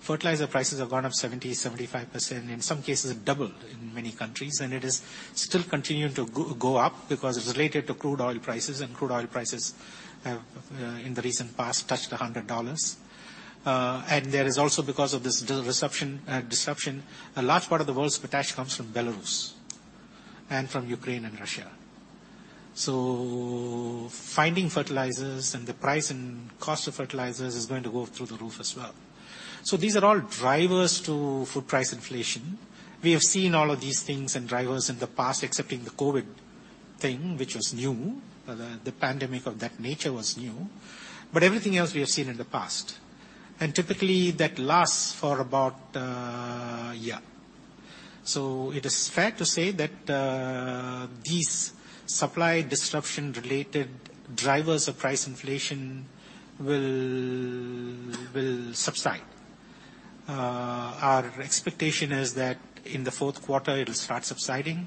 Fertilizer prices have gone up 75%, in some cases doubled in many countries, and it is still continuing to go up because it's related to crude oil prices, and crude oil prices have in the recent past touched $100. There is also, because of this disruption, a large part of the world's potash comes from Belarus and from Ukraine and Russia. Finding fertilizers and the price and cost of fertilizers is going to go through the roof as well. These are all drivers to food price inflation. We have seen all of these things and drivers in the past, excepting the COVID thing, which was new. The pandemic of that nature was new. Everything else we have seen in the past. Typically that lasts for about a year. It is fair to say that these supply disruption-related drivers of price inflation will subside. Our expectation is that in the fourth quarter it will start subsiding,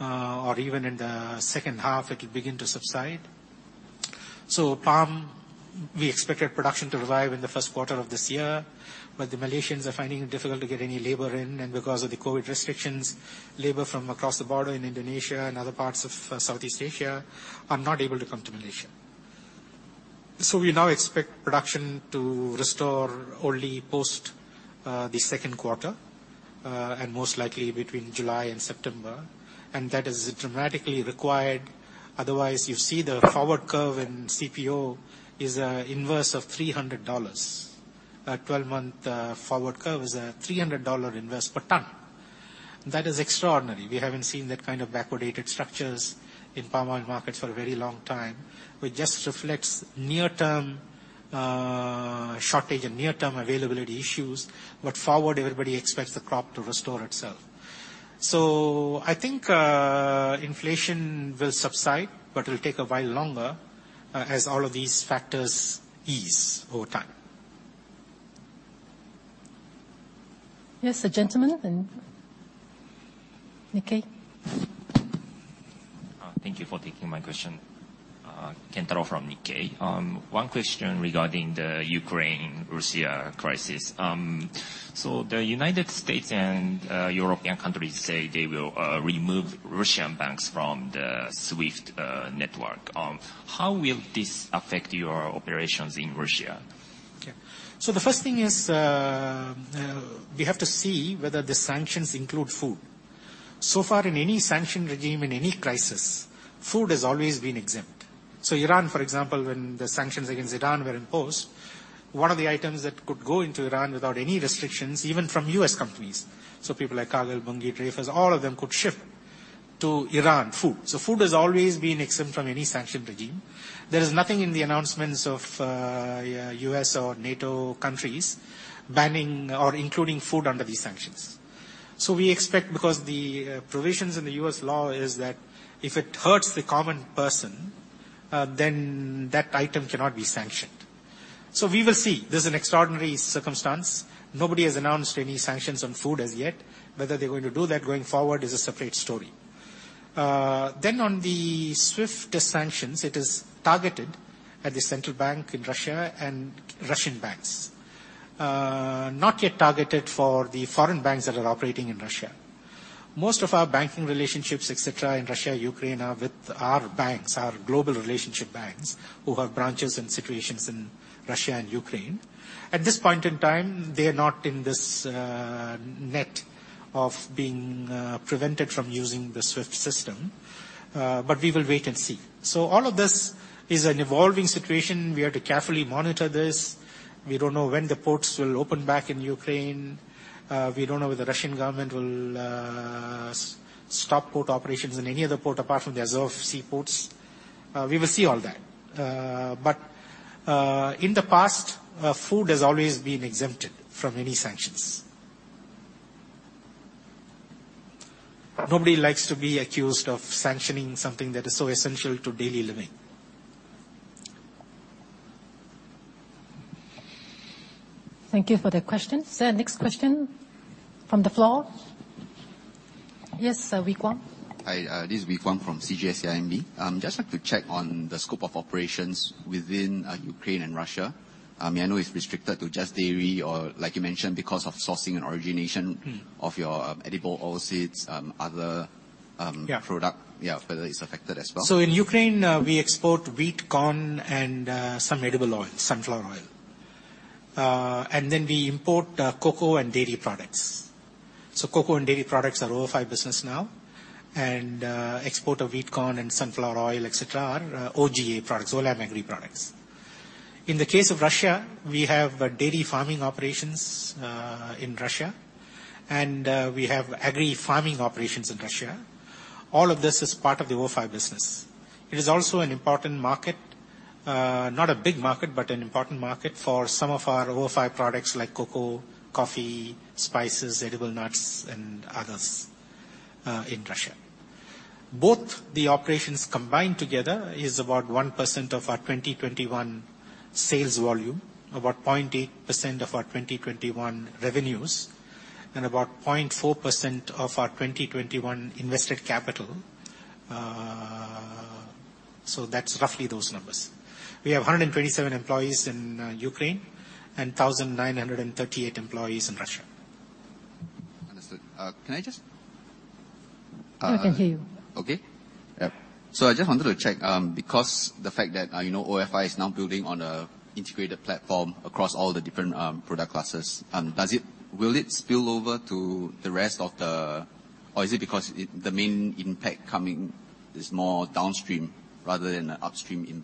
or even in the second half it will begin to subside. Palm, we expected production to revive in the first quarter of this year, but the Malaysians are finding it difficult to get any labor in, and because of the COVID restrictions, labor from across the border in Indonesia and other parts of Southeast Asia are not able to come to Malaysia. We now expect production to restore only post the second quarter and most likely between July and September. That is dramatically required, otherwise you see the forward curve in CPO is an inverse of $300. A 12-month forward curve is a $300 inverse per ton. That is extraordinary. We haven't seen that kind of backwardated structures in palm oil markets for a very long time, which just reflects near-term shortage and near-term availability issues, but forward everybody expects the crop to restore itself. I think inflation will subside, but it'll take a while longer as all of these factors ease over time. Yes, the gentleman in Nikkei. Thank you for taking my question. Kentaro from Nikkei. One question regarding the Ukraine-Russia crisis. The United States and European countries say they will remove Russian banks from the SWIFT network. How will this affect your operations in Russia? Okay. The first thing is, we have to see whether the sanctions include food. So far in any sanction regime, in any crisis, food has always been exempt. Iran, for example, when the sanctions against Iran were imposed, one of the items that could go into Iran without any restrictions, even from U.S. companies, so people like Cargill, Bunge, Dreyfus, all of them could ship to Iran, food. Food has always been exempt from any sanction regime. There is nothing in the announcements of U.S. or NATO countries banning or including food under these sanctions. We expect because the provisions in the U.S. law is that if it hurts the common person, then that item cannot be sanctioned. We will see. This is an extraordinary circumstance. Nobody has announced any sanctions on food as yet. Whether they're going to do that going forward is a separate story. On the SWIFT sanctions, it is targeted at the central bank in Russia and Russian banks. Not yet targeted for the foreign banks that are operating in Russia. Most of our banking relationships, et cetera, in Russia, Ukraine, are with our banks, our global relationship banks, who have branches and situations in Russia and Ukraine. At this point in time, they are not in this net of being prevented from using the SWIFT system. We will wait and see. All of this is an evolving situation. We have to carefully monitor this. We don't know when the ports will open back in Ukraine. We don't know if the Russian government will stop port operations in any other port apart from their Azov seaports. We will see all that. In the past, food has always been exempted from any sanctions. Nobody likes to be accused of sanctioning something that is so essential to daily living. Thank you for the question. Next question from the floor. Yes, sir, Wee Kuang. Hi, this is Wee Kuang from CGS-CIMB. Just like to check on the scope of operations within Ukraine and Russia. I mean, I know it's restricted to just dairy, or like you mentioned, because of sourcing and origination. Mm. Of your edible oilseeds, other Yeah product. Yeah, whether it's affected as well. In Ukraine, we export wheat, corn, and some edible oil, sunflower oil. We import cocoa and dairy products. Cocoa and dairy products are OFI business now. Export of wheat, corn, and sunflower oil, et cetera, are OGA products, Olam Agri products. In the case of Russia, we have dairy farming operations in Russia, and we have agri farming operations in Russia. All of this is part of the OFI business. It is also an important market. Not a big market, but an important market for some of our OFI products like cocoa, coffee, spices, edible nuts, and others in Russia. Both the operations combined together is about 1% of our 2021 sales volume, about 0.8% of our 2021 revenues, and about 0.4% of our 2021 invested capital. That's roughly those numbers. We have 127 employees in Ukraine and 1,938 employees in Russia. Understood. Can I just, We can hear you. I just wanted to check, because the fact that OFI is now building on an integrated platform across all the different product classes, will it spill over to the rest of the or is the main impact coming more downstream rather than upstream?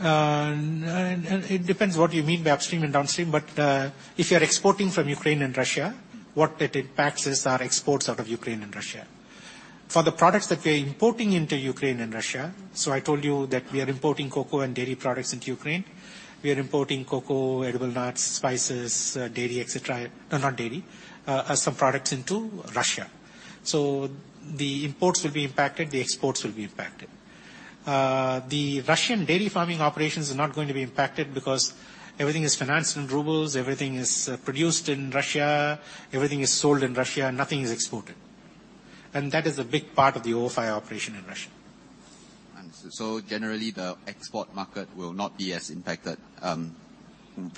No, it depends what you mean by upstream and downstream. If you're exporting from Ukraine and Russia. Mm What it impacts is our exports out of Ukraine and Russia. For the products that we're importing into Ukraine and Russia, so I told you that we are importing cocoa and dairy products into Ukraine. We are importing cocoa, edible nuts, spices, dairy, etc. Not dairy, some products into Russia. The imports will be impacted, the exports will be impacted. The Russian dairy farming operations are not going to be impacted because everything is financed in rubles, everything is produced in Russia, everything is sold in Russia, nothing is exported. That is a big part of the OFI operation in Russia. Understood. Generally, the export market will not be as impacted because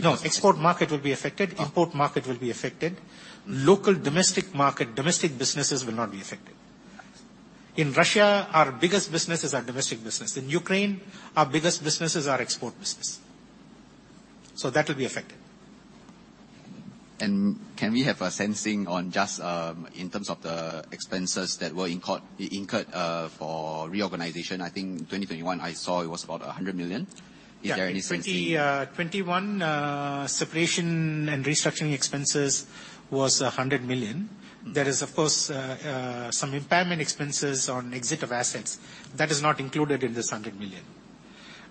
No, export market will be affected. Oh. Import market will be affected. Mm. Local, domestic market, domestic businesses will not be affected. Understood. In Russia, our biggest business is our domestic business. In Ukraine, our biggest business is our export business. That will be affected. Can we have a sense on just in terms of the expenses that were incurred for reorganization? I think in 2021, I saw it was about 100 million. Yeah. Is there any sensing- In 2021, separation and restructuring expenses was 100 million. Mm. There is, of course, some impairment expenses on exit of assets. That is not included in this 100 million.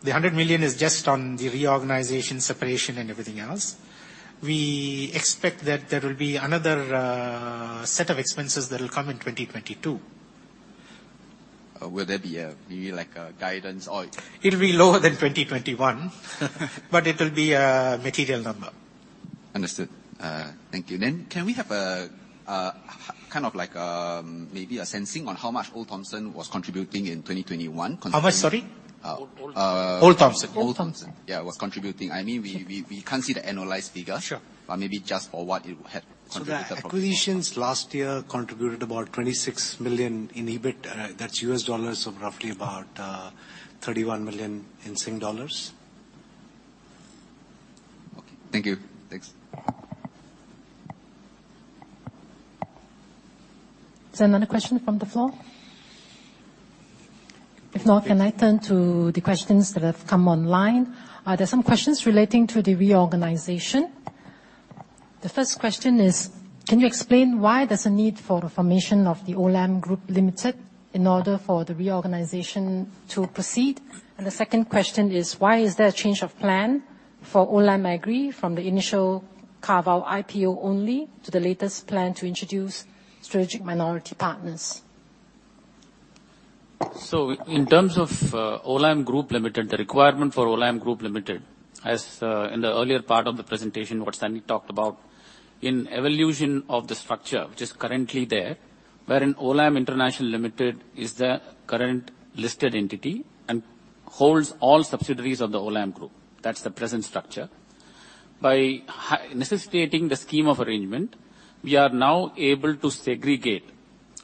The 100 million is just on the reorganization, separation, and everything else. We expect that there will be another set of expenses that will come in 2022. Will there be a, maybe like a guidance or- It'll be lower than 2021. It'll be a material number. Understood. Thank you. Can we have maybe a sense on how much Olde Thompson was contributing in 2021 contributing- How much, sorry? Uh- Olde Thompson. Olde Thompson. Olde Thompson, yeah, was contributing. I mean, we can't see the annualized figure. Sure. Maybe just for what it had contributed. The acquisitions last year contributed about $26 million in EBIT. That's US dollars, so roughly about 31 million in Singapore dollars. Okay. Thank you. Thanks. Is there another question from the floor? If not, can I turn to the questions that have come online? There's some questions relating to the reorganization. The first question is, can you explain why there's a need for the formation of the Olam Group Limited in order for the reorganization to proceed? The second question is, why is there a change of plan for Olam Agri from the initial carve-out IPO only to the latest plan to introduce strategic minority partners? In terms of Olam Group Limited, the requirement for Olam Group Limited, as in the earlier part of the presentation, what Sunny talked about, in evolution of the structure which is currently there, wherein Olam International Limited is the current listed entity and holds all subsidiaries of the Olam Group. That's the present structure. By necessitating the scheme of arrangement, we are now able to segregate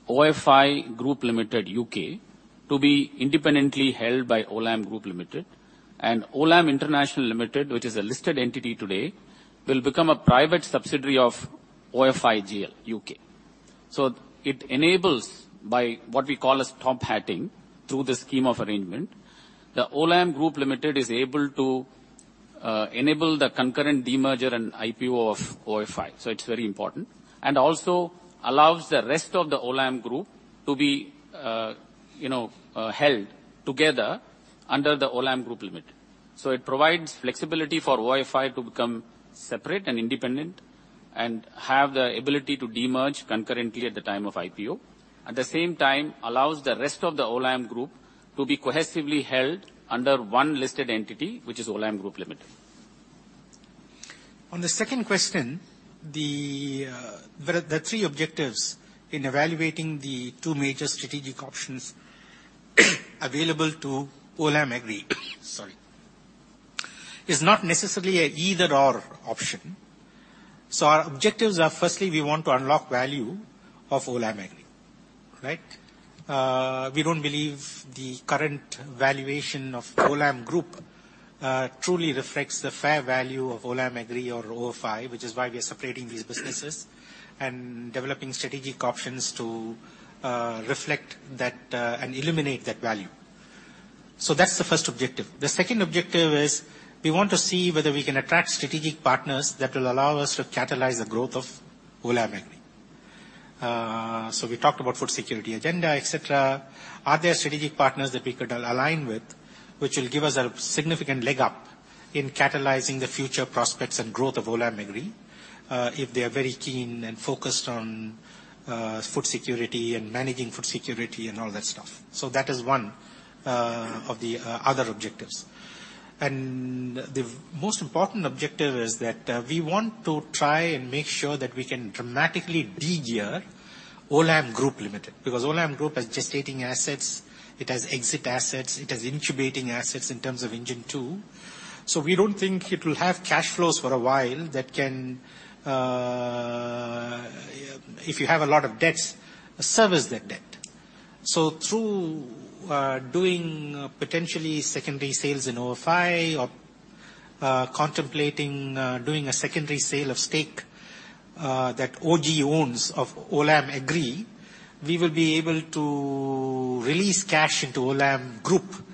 OFI Group Limited, UK to be independently held by Olam Group Limited. Olam International Limited, which is a listed entity today, will become a private subsidiary of OFI Group Limited, UK. It enables by what we call as top-hatting through the scheme of arrangement. Olam Group Limited is able to enable the concurrent demerger and IPO of OFI, so it's very important. Also allows the rest of the Olam Group to be held together under the Olam Group Limited. It provides flexibility for OFI to become separate and independent and have the ability to demerge concurrently at the time of IPO. At the same time, it allows the rest of the Olam Group to be cohesively held under one listed entity, which is Olam Group Limited. On the second question, there are three objectives in evaluating the two major strategic options available to Olam Agri. Sorry, it's not necessarily an either/or option. Our objectives are, firstly, we want to unlock value of Olam Agri. Right? We don't believe the current valuation of Olam Group truly reflects the fair value of Olam Agri or OFI, which is why we are separating these businesses and developing strategic options to reflect that and illuminate that value. That's the first objective. The second objective is we want to see whether we can attract strategic partners that will allow us to catalyze the growth of Olam Agri. We talked about food security agenda, et cetera. Are there strategic partners that we could align with, which will give us a significant leg up in catalyzing the future prospects and growth of Olam Agri, if they are very keen and focused on food security and managing food security and all that stuff? That is one of the other objectives. The most important objective is that we want to try and make sure that we can dramatically de-gear Olam Group Limited, because Olam Group has gestating assets, it has exit assets, it has incubating assets in terms of Engine 2. We don't think it will have cash flows for a while that can, if you have a lot of debts, service that debt. Through doing potentially secondary sales in OFI or contemplating doing a secondary sale of stake that OG owns of Olam Agri, we will be able to release cash into Olam Group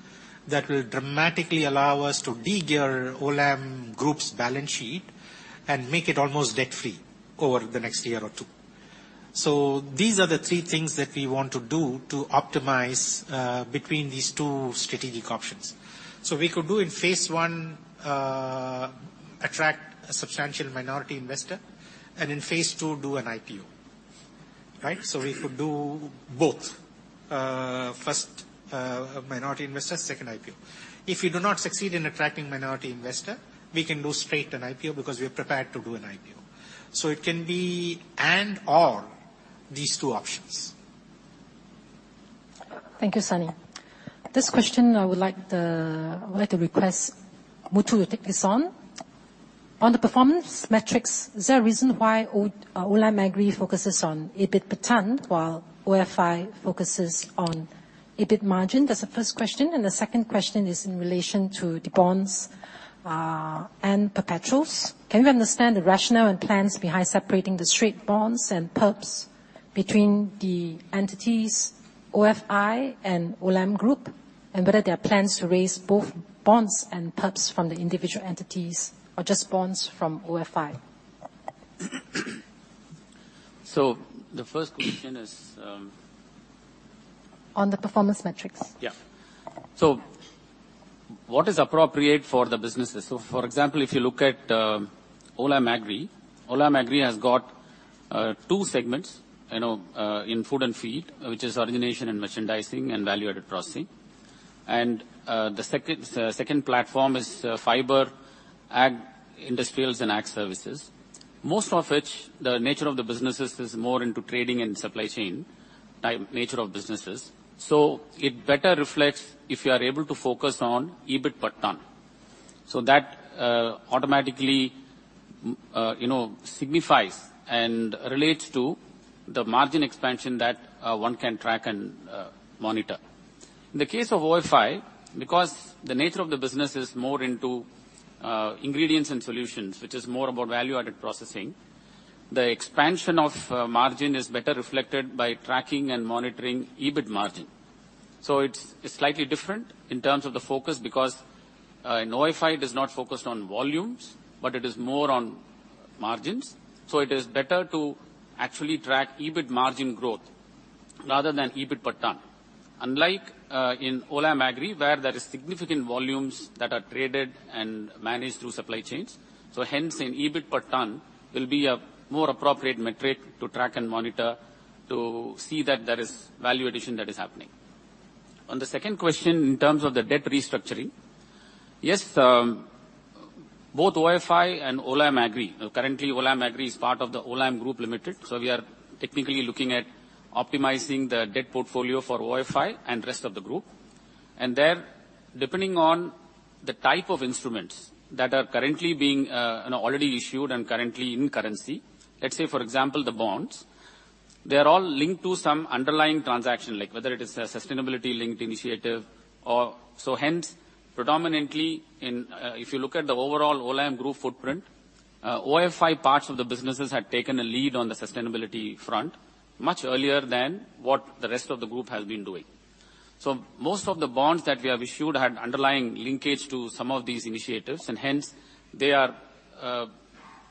that will dramatically allow us to de-gear Olam Group's balance sheet and make it almost debt-free over the next year or two. These are the three things that we want to do to optimize between these two strategic options. We could do in phase one attract a substantial minority investor, and in phase two, do an IPO. Right? We could do both. First, a minority investor, second IPO. If we do not succeed in attracting minority investor, we can do straight an IPO because we're prepared to do an IPO. It can be and/or these two options. Thank you, Sunny. This question I would like to request N. Muthukumar to take this on. On the performance metrics, is there a reason why Olam Agri focuses on EBIT per ton, while OFI focuses on EBIT margin? That's the first question. The second question is in relation to the bonds and perpetuals. Can we understand the rationale and plans behind separating the straight bonds and perps between the entities OFI and Olam Group, and whether there are plans to raise both bonds and perps from the individual entities or just bonds from OFI? The first question is, On the performance metrics. What is appropriate for the businesses? For example, if you look at Olam Agri, Olam Agri has got two segments in food and feed, which is origination and merchandising and value-added processing. The second platform is Fibre, Agri-Industrials, and Ag Services. Most of which the nature of the businesses is more into trading and supply chain type nature of businesses. It better reflects if you are able to focus on EBIT per ton. That automatically signifies and relates to the margin expansion that one can track and monitor. In the case of OFI, because the nature of the business is more into ingredients and solutions, which is more about value-added processing, the expansion of margin is better reflected by tracking and monitoring EBIT margin. It's slightly different in terms of the focus because in OFI it is not focused on volumes, but it is more on margins. It is better to actually track EBIT margin growth rather than EBIT per ton. Unlike in Olam Agri, where there is significant volumes that are traded and managed through supply chains. Hence an EBIT per ton will be a more appropriate metric to track and monitor to see that there is value addition that is happening. On the second question, in terms of the debt restructuring, yes, both OFI and Olam Agri. Currently Olam Agri is part of the Olam Group Limited, so we are technically looking at optimizing the debt portfolio for OFI and rest of the group. There, depending on the type of instruments that are currently being and already issued and currently in currency. Let's say for example, the bonds, they are all linked to some underlying transaction, like whether it is a sustainability-linked initiative. Hence, predominantly in, if you look at the overall Olam Group footprint, OFI parts of the businesses had taken a lead on the sustainability front much earlier than what the rest of the group has been doing. Most of the bonds that we have issued had underlying linkage to some of these initiatives, and hence, they are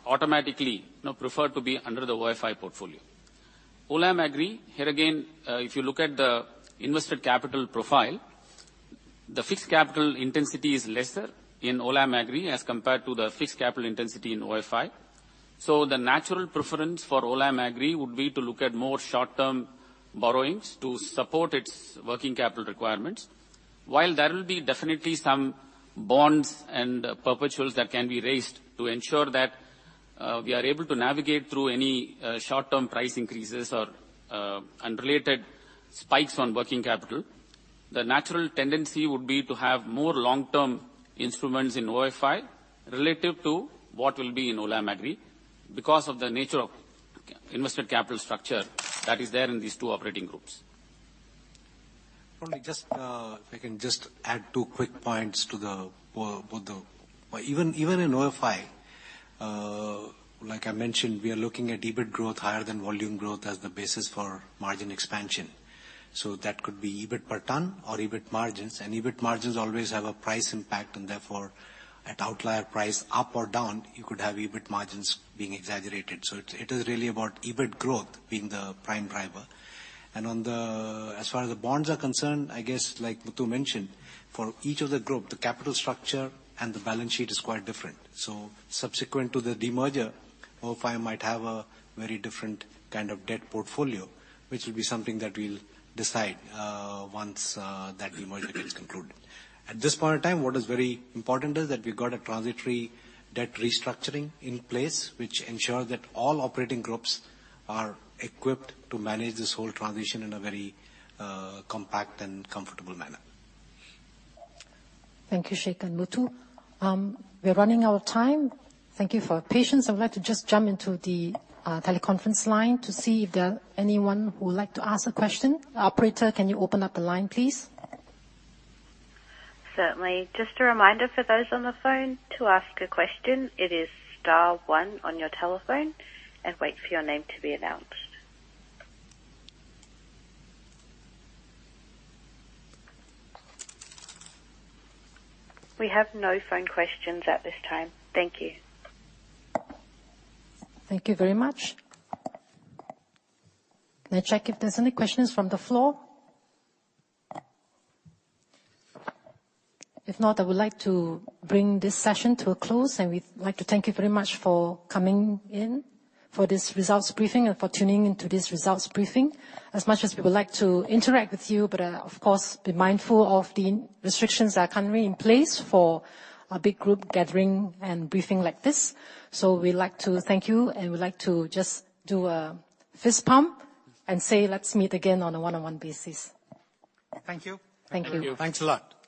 automatically preferred to be under the OFI portfolio. Olam Agri, here again, if you look at the invested capital profile, the fixed capital intensity is lesser in Olam Agri as compared to the fixed capital intensity in OFI. The natural preference for Olam Agri would be to look at more short-term borrowings to support its working capital requirements. While there will be definitely some bonds and perpetuals that can be raised to ensure that we are able to navigate through any short-term price increases or unrelated spikes on working capital, the natural tendency would be to have more long-term instruments in OFI relative to what will be in Olam Agri because of the nature of capital-invested capital structure that is there in these two operating groups. Only just, if I can just add two quick points. Even in OFI, like I mentioned, we are looking at EBIT growth higher than volume growth as the basis for margin expansion. That could be EBIT per ton or EBIT margins. EBIT margins always have a price impact, and therefore at outlier price up or down, you could have EBIT margins being exaggerated. It is really about EBIT growth being the prime driver. As far as the bonds are concerned, I guess like Muthu mentioned, for each of the group, the capital structure and the balance sheet is quite different. Subsequent to the demerger, OFI might have a very different kind of debt portfolio, which will be something that we'll decide once that demerger is concluded. At this point in time, what is very important is that we've got a transitory debt restructuring in place, which ensures that all operating groups are equipped to manage this whole transition in a very, compact and comfortable manner. Thank you, Shekhar and Muthu. We're running out of time. Thank you for your patience. I would like to just jump into the teleconference line to see if there are anyone who would like to ask a question. Operator, can you open up the line, please? Certainly. Just a reminder for those on the phone, to ask a question, it is star one on your telephone and wait for your name to be announced. We have no phone questions at this time. Thank you. Thank you very much. Can I check if there's any questions from the floor? If not, I would like to bring this session to a close, and we'd like to thank you very much for coming in for this results briefing and for tuning into this results briefing. As much as we would like to interact with you, but, of course, be mindful of the restrictions that are currently in place for a big group gathering and briefing like this. So we'd like to thank you, and we'd like to just do a fist pump and say, let's meet again on a one-on-one basis. Thank you. Thank you. Thank you. Thanks a lot.